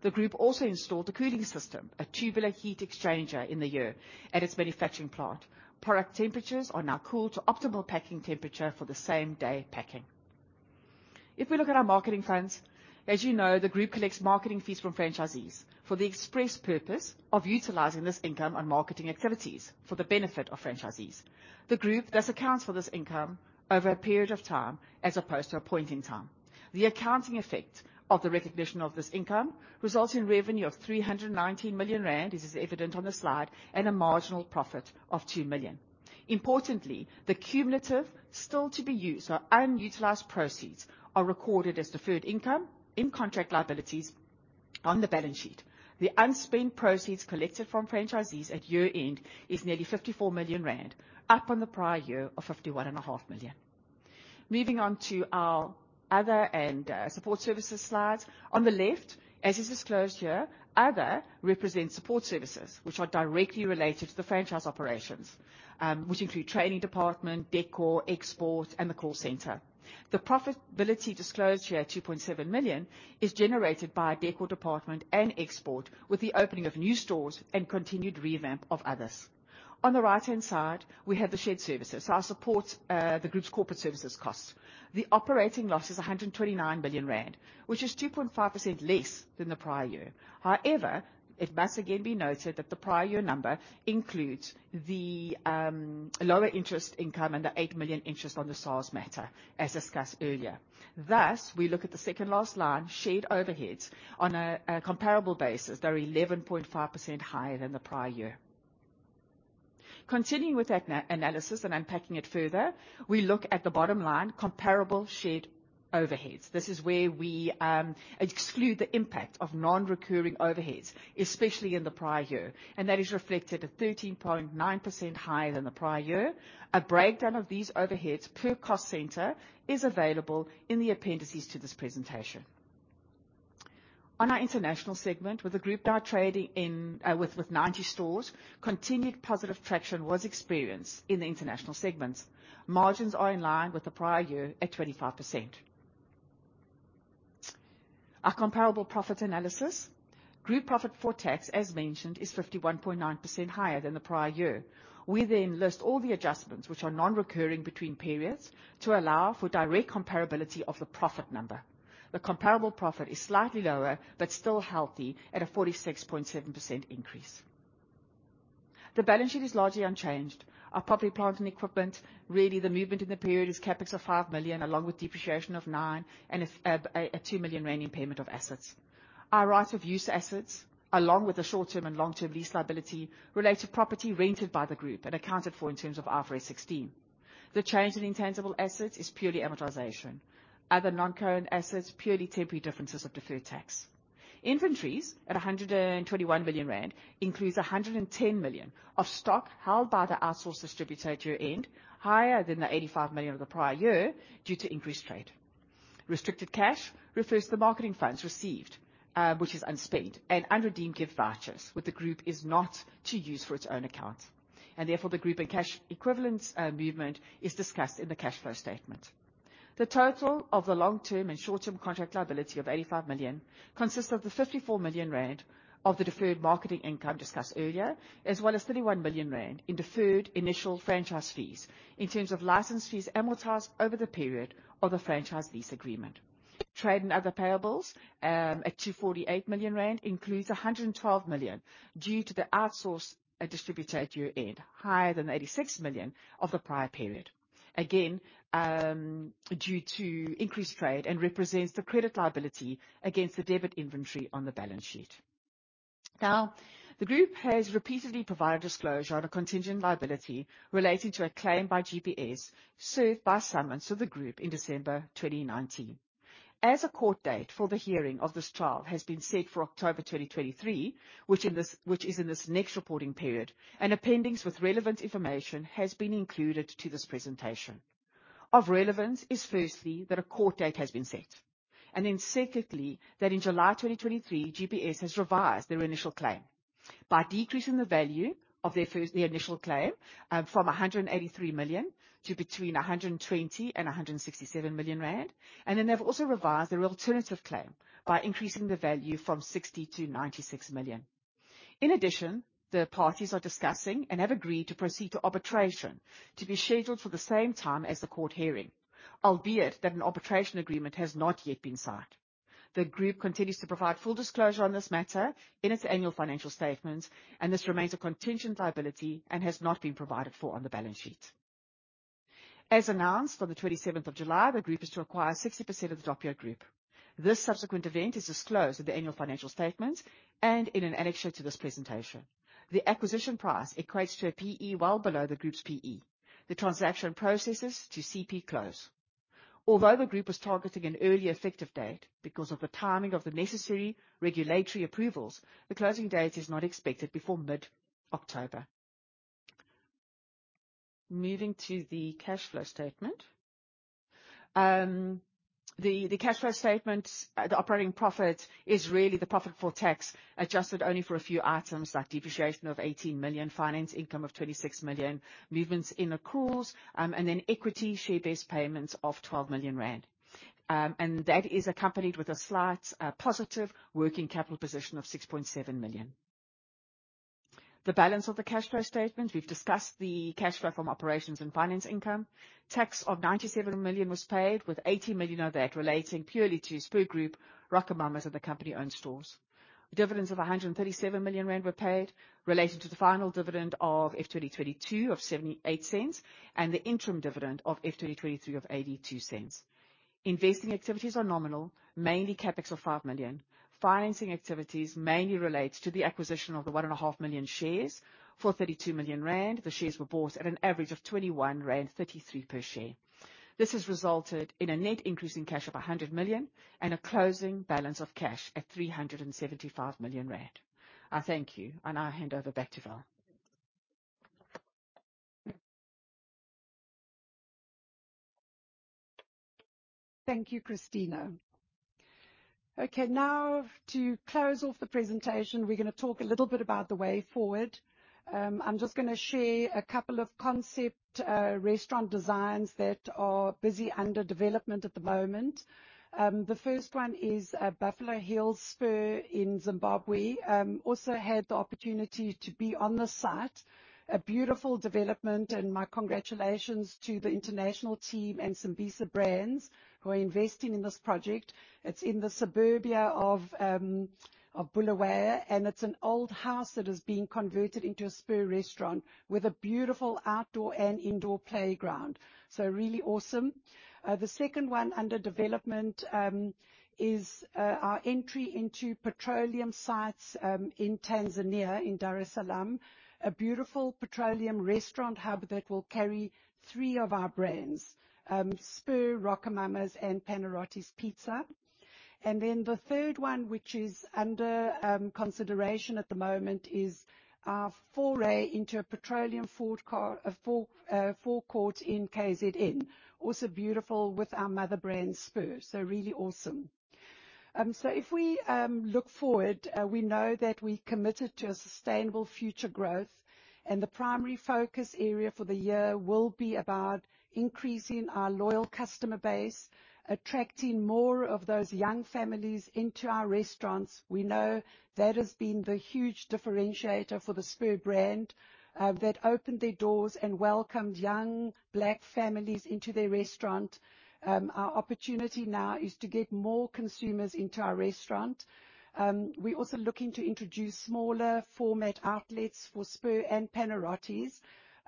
The group also installed a cooling system, a tubular heat exchanger, in the year at its manufacturing plant. Product temperatures are now cooled to optimal packing temperature for the same day packing. If we look at our marketing funds, as you know, the group collects marketing fees from franchisees for the express purpose of utilizing this income on marketing activities for the benefit of franchisees. The group thus accounts for this income over a period of time, as opposed to a point in time. The accounting effect of the recognition of this income results in revenue of 319 million rand, this is evident on the slide, and a marginal profit of 2 million. Importantly, the cumulative still to be used or unutilized proceeds are recorded as deferred income in contract liabilities on the balance sheet. The unspent proceeds collected from franchisees at year-end is nearly 54 million rand, up on the prior year of 51.5 million. Moving on to our other and support services slides. On the left, as is disclosed here, other represents support services, which are directly related to the franchise operations, which include training department, decor, export, and the call center. The profitability disclosed here at 2.7 million is generated by our decor department and export, with the opening of new stores and continued revamp of others. On the right-hand side, we have the shared services, so our support, the group's corporate services costs. The operating loss is 129 billion rand, which is 2.5% less than the prior year. However, it must again be noted that the prior year number includes the lower interest income and the 8 million interest on the SARS matter, as discussed earlier. We look at the second last line, shared overheads. On a comparable basis, they're 11.5% higher than the prior year. Continuing with that analysis and unpacking it further, we look at the bottom line, comparable shared overheads. This is where we exclude the impact of non-recurring overheads, especially in the prior year, and that is reflected at 13.9% higher than the prior year. A breakdown of these overheads per cost center is available in the appendices to this presentation. On our international segment, with the group now trading in, with 90 stores, continued positive traction was experienced in the international segments. Margins are in line with the prior year, at 25%. Our comparable profit analysis. Group profit, for tax, as mentioned, is 51.9% higher than the prior year. We list all the adjustments which are non-recurring between periods to allow for direct comparability of the profit number. The comparable profit is slightly lower, but still healthy, at a 46.7% increase. The balance sheet is largely unchanged. Our property, plant, and equipment, really, the movement in the period is CapEx of 5 million, along with depreciation of 9 million and a 2 million rand impairment of assets. Our right-of-use assets, along with the short-term and long-term lease liability, relate to property rented by the group and accounted for in terms of IFRS 16. The change in intangible assets is purely amortization. Other noncurrent assets, purely temporary differences of deferred tax. Inventories, at 121 billion rand, includes 110 million of stock held by the outsourced distributor at year-end, higher than the 85 million of the prior year due to increased trade. Restricted cash refers to the marketing funds received, which is unspent, and unredeemed gift vouchers, which the group is not to use for its own account, and therefore, the group and cash equivalents movement is discussed in the cash flow statement. The total of the long-term and short-term contract liability of 85 million consists of the 54 million rand of the deferred marketing income discussed earlier, as well as 31 million rand in deferred initial franchise fees in terms of license fees amortized over the period of the franchise lease agreement. Trade and other payables, at 248 million rand, includes 112 million due to the outsourced distributor at year-end, higher than the 86 million of the prior period. Again, due to increased trade and represents the credit liability against the debit inventory on the balance sheet. Now, the group has repeatedly provided disclosure on a contingent liability relating to a claim by GPS, served by summons to the group in December 2019. As a court date for the hearing of this trial has been set for October 2023, which is in this next reporting period, an appendix with relevant information has been included to this presentation. Of relevance is, firstly, that a court date has been set, secondly, that in July 2023, GPS has revised their initial claim by decreasing the value of their first, the initial claim, from 183 million to between 120 million and 167 million rand. Then, they've also revised their alternative claim by increasing the value from 60 million-96 million. In addition, the parties are discussing and have agreed to proceed to arbitration to be scheduled for the same time as the court hearing, albeit that an arbitration agreement has not yet been signed. The group continues to provide full disclosure on this matter in its annual financial statements, and this remains a contingent liability and has not been provided for on the balance sheet. As announced on the 27th of July, the group is to acquire 60% of the Doppio Group. This subsequent event is disclosed in the annual financial statements and in an annexure to this presentation. The acquisition price equates to a P/E well below the group's P/E. The transaction processes to CP close. The group was targeting an early effective date, because of the timing of the necessary regulatory approvals, the closing date is not expected before mid-October. Moving to the cash flow statement. The cash flow statement, the operating profit is really the profit for tax, adjusted only for a few items like depreciation of 18 million, finance income of 26 million, movements in accruals, and then equity share-based payments of 12 million rand. That is accompanied with a slight positive working capital position of 6.7 million. The balance of the cash flow statement, we've discussed the cash flow from operations and finance income. Tax of 97 million was paid, with 80 million of that relating purely to Spur Corporation, RocoMamas, and the company-owned stores. Dividends of 137 million rand were paid, relating to the final dividend of F 2022 of 0.78, and the interim dividend of F 2023 of 0.82. Investing activities are nominal, mainly CapEx of 5 million. Financing activities mainly relates to the acquisition of the 1.5 million shares for 32 million rand. The shares were bought at an average of 21.33 rand per share. This has resulted in a net increase in cash of 100 million, and a closing balance of cash at 375 million rand. I thank you, and I hand over back to Val. Thank you, Cristina. Okay, now to close off the presentation, we're gonna talk a little bit about the way forward. I'm just gonna share a couple of concept restaurant designs that are busy under development at the moment. The first one is a Buffalo Hills Spur in Zimbabwe. Also had the opportunity to be on the site. A beautiful development, and my congratulations to the international team and Simbisa Brands who are investing in this project. It's in the suburbia of Bulawayo, and it's an old house that is being converted into a Spur restaurant with a beautiful outdoor and indoor playground. Really awesome. The second one under development is our entry into petroleum sites in Tanzania, in Dar es Salaam. A beautiful petroleum restaurant hub that will carry three of our brands, Spur, RocoMamas, and Panarottis Pizza. Then the third one, which is under consideration at the moment, is our foray into a petroleum forecourt in KZN. Also beautiful with our mother brand, Spur, so really awesome. So if we look forward, we know that we're committed to a sustainable future growth, and the primary focus area for the year will be about increasing our loyal customer base, attracting more of those young families into our restaurants. We know that has been the huge differentiator for the Spur brand, that opened their doors and welcomed young Black families into their restaurant. Our opportunity now is to get more consumers into our restaurant. We're also looking to introduce smaller format outlets for Spur and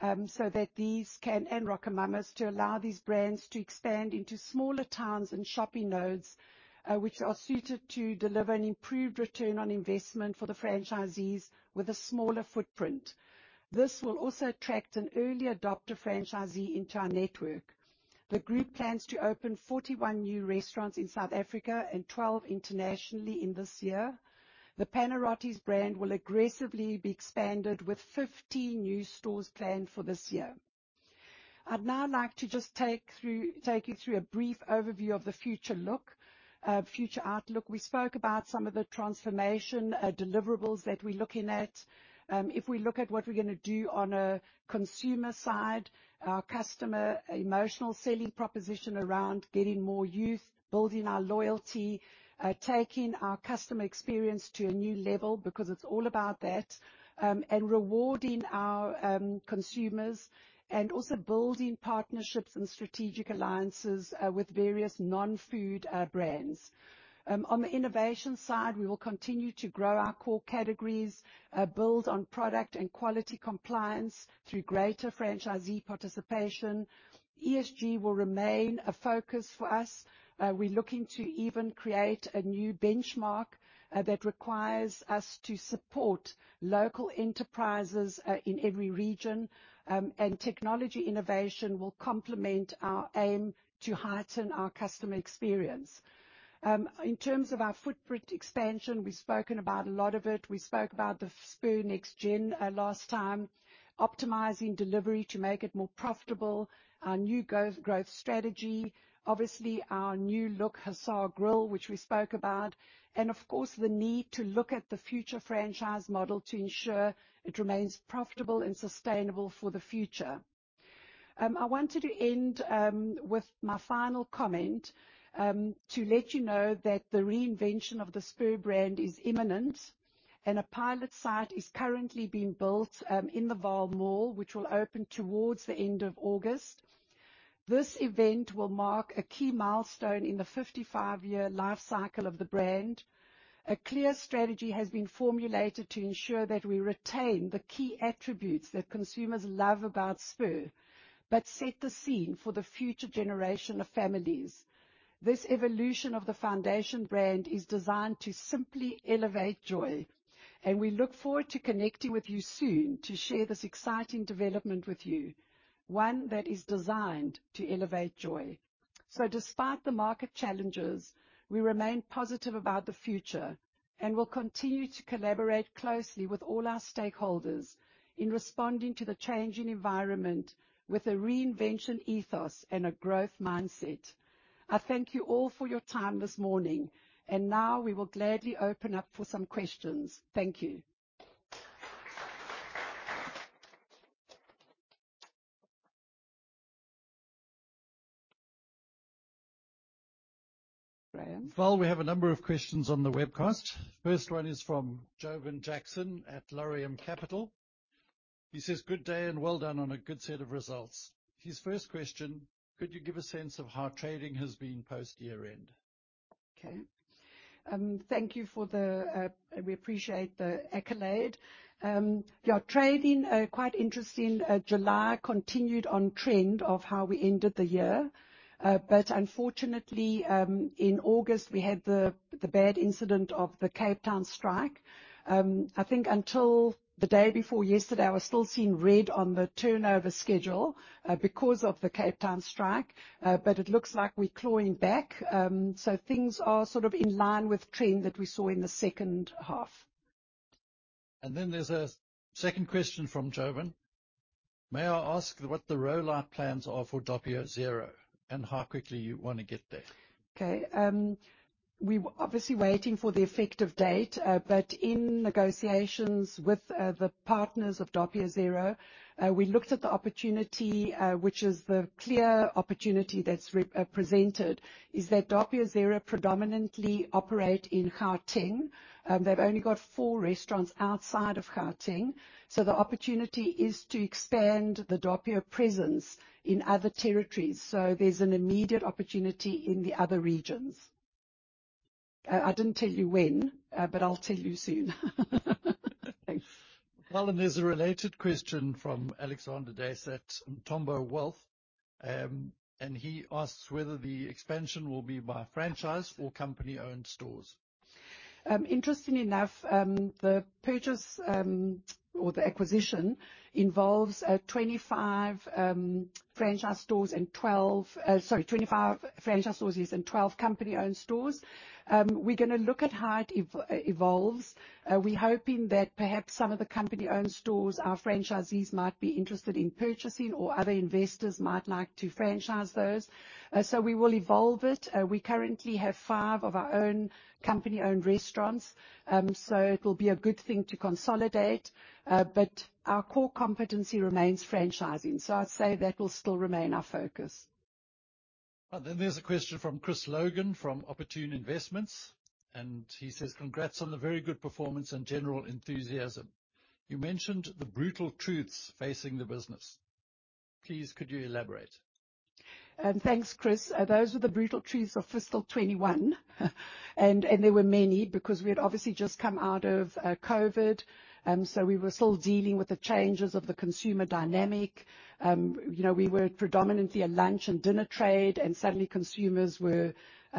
Panarottis, and RocoMamas, to allow these brands to expand into smaller towns and shopping nodes, which are suited to deliver an improved return on investment for the franchisees with a smaller footprint. This will also attract an early adopter franchisee into our network. The group plans to open 41 new restaurants in South Africa and 12 internationally in this year. The Panarottis brand will aggressively be expanded, with 15 new stores planned for this year. I'd now like to just take through, take you through a brief overview of the future look, future outlook. We spoke about some of the transformation, deliverables that we're looking at. If we look at what we're gonna do on a consumer side, our customer emotional selling proposition around getting more youth, building our loyalty, taking our customer experience to a new level, because it's all about that, and rewarding our consumers, and also building partnerships and strategic alliances with various non-food brands. On the innovation side, we will continue to grow our core categories, build on product and quality compliance through greater franchisee participation. ESG will remain a focus for us. We're looking to even create a new benchmark that requires us to support local enterprises in every region. Technology innovation will complement our aim to heighten our customer experience. In terms of our footprint expansion, we've spoken about a lot of it. We spoke about the Spur Next Gen last time, optimizing delivery to make it more profitable, our new growth strategy, obviously, our new look Hussar Grill, which we spoke about, and of course, the need to look at the future franchise model to ensure it remains profitable and sustainable for the future. I wanted to end with my final comment to let you know that the reinvention of the Spur brand is imminent. A pilot site is currently being built in the Vaal Mall, which will open towards the end of August. This event will mark a key milestone in the 55-year life cycle of the brand. A clear strategy has been formulated to ensure that we retain the key attributes that consumers love about Spur, but set the scene for the future generation of families. This evolution of the foundation brand is designed to simply elevate joy, and we look forward to connecting with you soon to share this exciting development with you, one that is designed to elevate joy. Despite the market challenges, we remain positive about the future and will continue to collaborate closely with all our stakeholders in responding to the changing environment with a reinvention ethos and a growth mindset. I thank you all for your time this morning, and now we will gladly open up for some questions. Thank you. We have a number of questions on the webcast. First one is from Jovan Jackson at Laurium Capital. He says, "Good day, and well done on a good set of results." His first question: Could you give a sense of how trading has been post-year end? Okay, thank you for the. We appreciate the accolade. Yeah, trading quite interesting. July continued on trend of how we ended the year. Unfortunately, in August, we had the bad incident of the Cape Town strike. I think until the day before yesterday, I was still seeing red on the turnover schedule, because of the Cape Town strike. It looks like we're clawing back. Things are sort of in line with the trend that we saw in the second half. Then there's a second question from Jovan. May I ask what the rollout plans are for Doppio Zero, and how quickly you want to get there? Okay, we were obviously waiting for the effective date. In negotiations with the partners of Doppio Zero, we looked at the opportunity, which is the clear opportunity that's re-presented, is that Doppio Zero predominantly operate in Gauteng. They've only got 4 restaurants outside of Gauteng. The opportunity is to expand the Doppio presence in other territories. There's an immediate opportunity in the other regions. I didn't tell you when, but I'll tell you soon. Thanks. Well, and there's a related question from Alexander Duys at Umthombo Wealth, and he asks whether the expansion will be by franchise or company-owned stores. Interestingly enough, the purchase or the acquisition involves 25 franchise stores and 12... sorry, 25 franchise stores, yes, and 12 company-owned stores. We're gonna look at how it evolves. We're hoping that perhaps some of the company-owned stores, our franchisees might be interested in purchasing, or other investors might like to franchise those. We will evolve it. We currently have five of our own company-owned restaurants, so it will be a good thing to consolidate, but our core competency remains franchising. I'd say that will still remain our focus. Then there's a question from Chris Logan from Opportune Investments, he says, "Congrats on the very good performance and general enthusiasm. You mentioned the brutal truths facing the business. Please, could you elaborate? Thanks, Chris. Those were the brutal truths of fiscal 2021, and there were many, because we had obviously just come out of COVID, we were still dealing with the changes of the consumer dynamic. You know, we were predominantly a lunch and dinner trade, suddenly consumers were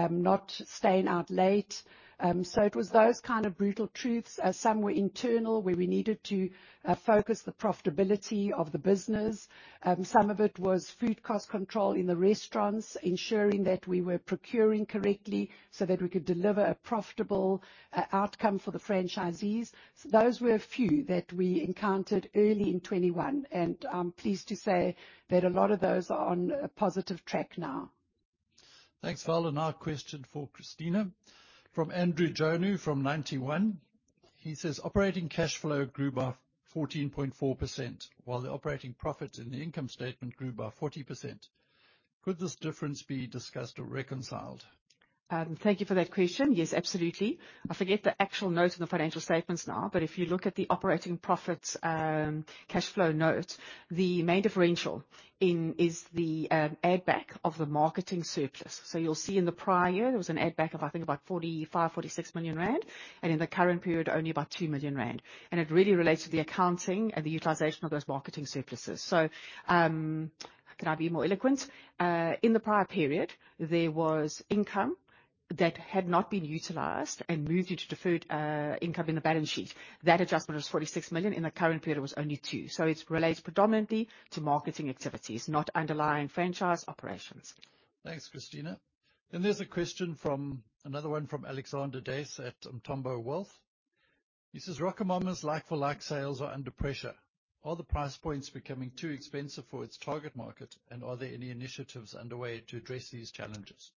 not staying out late. It was those kind of brutal truths, some were internal, where we needed to focus the profitability of the business. Some of it was food cost control in the restaurants, ensuring that we were procuring correctly so that we could deliver a profitable outcome for the franchisees. Those were a few that we encountered early in 2021, I'm pleased to say that a lot of those are on a positive track now. Thanks, Val. Now a question for Cristina Teixeira from Andrew Vintcent from Ninety One. He says: Operating cash flow grew by 14.4%, while the operating profits in the income statement grew by 40%. Could this difference be discussed or reconciled? Thank you for that question. Yes, absolutely. I forget the actual notes on the financial statements now, but if you look at the operating profits, cash flow note, the main differential is the add back of the marketing surplus. You'll see in the prior, there was an add back of, I think, about 45 million-46 million rand, and in the current period, only about 2 million rand. It really relates to the accounting and the utilization of those marketing surpluses. Could I be more eloquent? In the prior period, there was income that had not been utilized and moved into deferred income in the balance sheet. That adjustment was 46 million, in the current period was only 2 million, so it relates predominantly to marketing activities, not underlying franchise operations. Thanks, Cristina. There's a question from another one from Alexander Duys at Umthombo Wealth. He says, "RocoMamas' like for like sales are under pressure. Are the price points becoming too expensive for its target market, and are there any initiatives underway to address these challenges?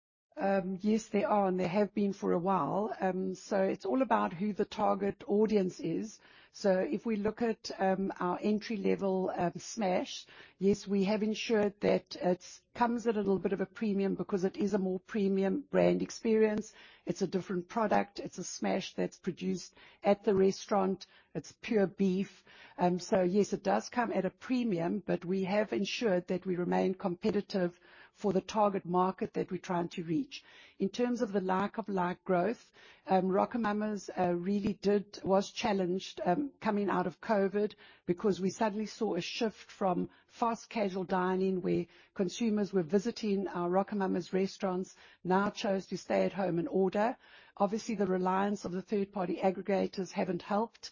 Yes, there are, and there have been for a while. It's all about who the target audience is. If we look at our entry-level Smash, yes, we have ensured that it comes at a little bit of a premium because it is a more premium brand experience. It's a different product. It's a smash that's produced at the restaurant. It's pure beef. Yes, it does come at a premium, but we have ensured that we remain competitive for the target market that we're trying to reach. In terms of the like-over-like growth, RocoMamas really did, was challenged, coming out of COVID, because we suddenly saw a shift from fast casual dining, where consumers were visiting our RocoMamas restaurants, now chose to stay at home and order. Obviously, the reliance of the third-party aggregators haven't helped.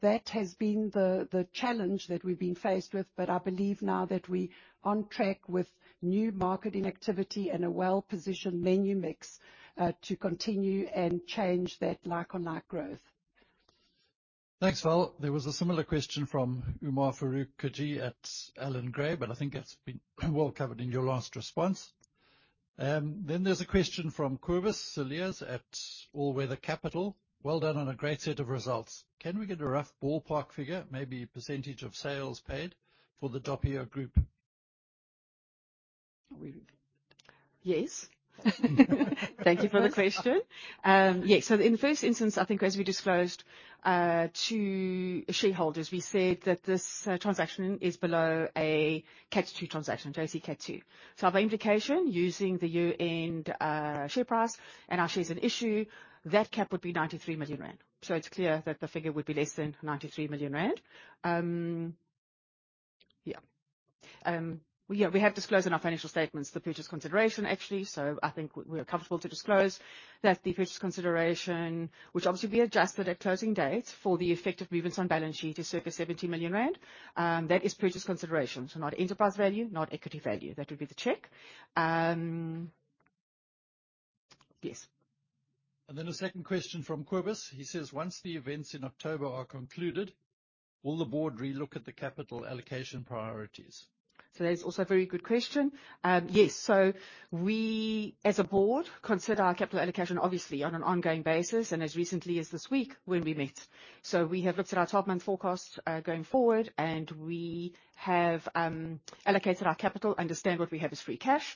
That has been the, the challenge that we've been faced with, but I believe now that we're on track with new marketing activity and a well-positioned menu mix, to continue and change that like-on-like growth. Thanks, Val. There was a similar question from Umar-Farooq Kaji at Allan Gray, but I think that's been well covered in your last response. There's a question from Corvis Solias at All Weather Capital. Well done on a great set of results. Can we get a rough ballpark figure, maybe % of sales paid for the Doppio Group? Yes. Thank you for the question. So in the first instance, I think as we disclosed to shareholders, we said that this transaction is below a Category 2 transaction, JSE Cat 2. By implication, using the year-end share price, and our shares an issue, that cap would be 93 million rand. It's clear that the figure would be less than 93 million rand. We have disclosed in our financial statements the purchase consideration, actually, so I think we are comfortable to disclose that the purchase consideration, which obviously will be adjusted at closing date for the effective movements on balance sheet, is circa 70 million rand. That is purchase consideration. Not enterprise value, not equity value. That would be the check. Yes. Then a second question from Kobus. He says: Once the events in October are concluded, will the board relook at the capital allocation priorities? That is also a very good question. Yes. We, as a board, consider our capital allocation, obviously, on an ongoing basis, and as recently as this week when we met. We have looked at our top-month forecast going forward, and we have allocated our capital understanding what we have as free cash.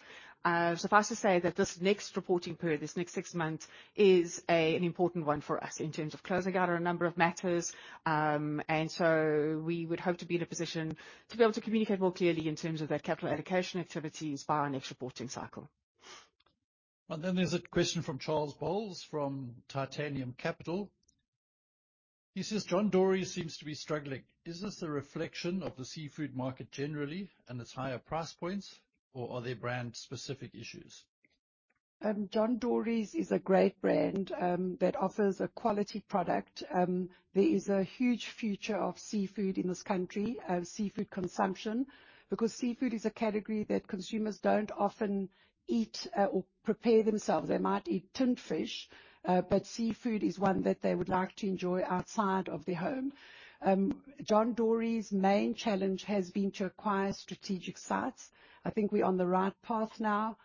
Suffice to say that this next reporting period, this next 6 months, is an important one for us in terms of closing out a number of matters. We would hope to be in a position to be able to communicate more clearly in terms of that capital allocation activities by our next reporting cycle. Then there's a question from Charles Bowles from Titanium Capital. He says, "John Dory's seems to be struggling. Is this a reflection of the seafood market generally, and its higher price points, or are there brand-specific issues? John Dory's is a great brand that offers a quality product. There is a huge future of seafood in this country, of seafood consumption, because seafood is a category that consumers don't often eat or prepare themselves. They might eat tinned fish, but seafood is one that they would like to enjoy outside of their home. John Dory's main challenge has been to acquire strategic sites. I think we're on the right path now.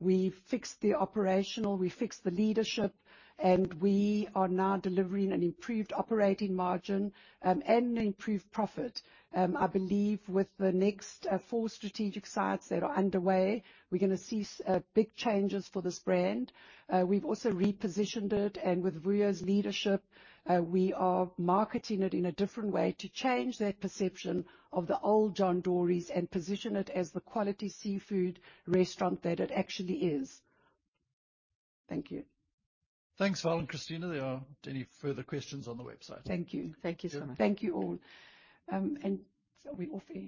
We've fixed the operational, we've fixed the leadership, and we are now delivering an improved operating margin and an improved profit. I believe with the next 4 strategic sites that are underway, we're gonna see big changes for this brand. We've also repositioned it, and with Rui's leadership, we are marketing it in a different way to change that perception of the old John Dory's and position it as the quality seafood restaurant that it actually is. Thank you. Thanks, Val and Christina. There are any further questions on the website. Thank you. Thank you so much. Thank you, all. Are we all finished?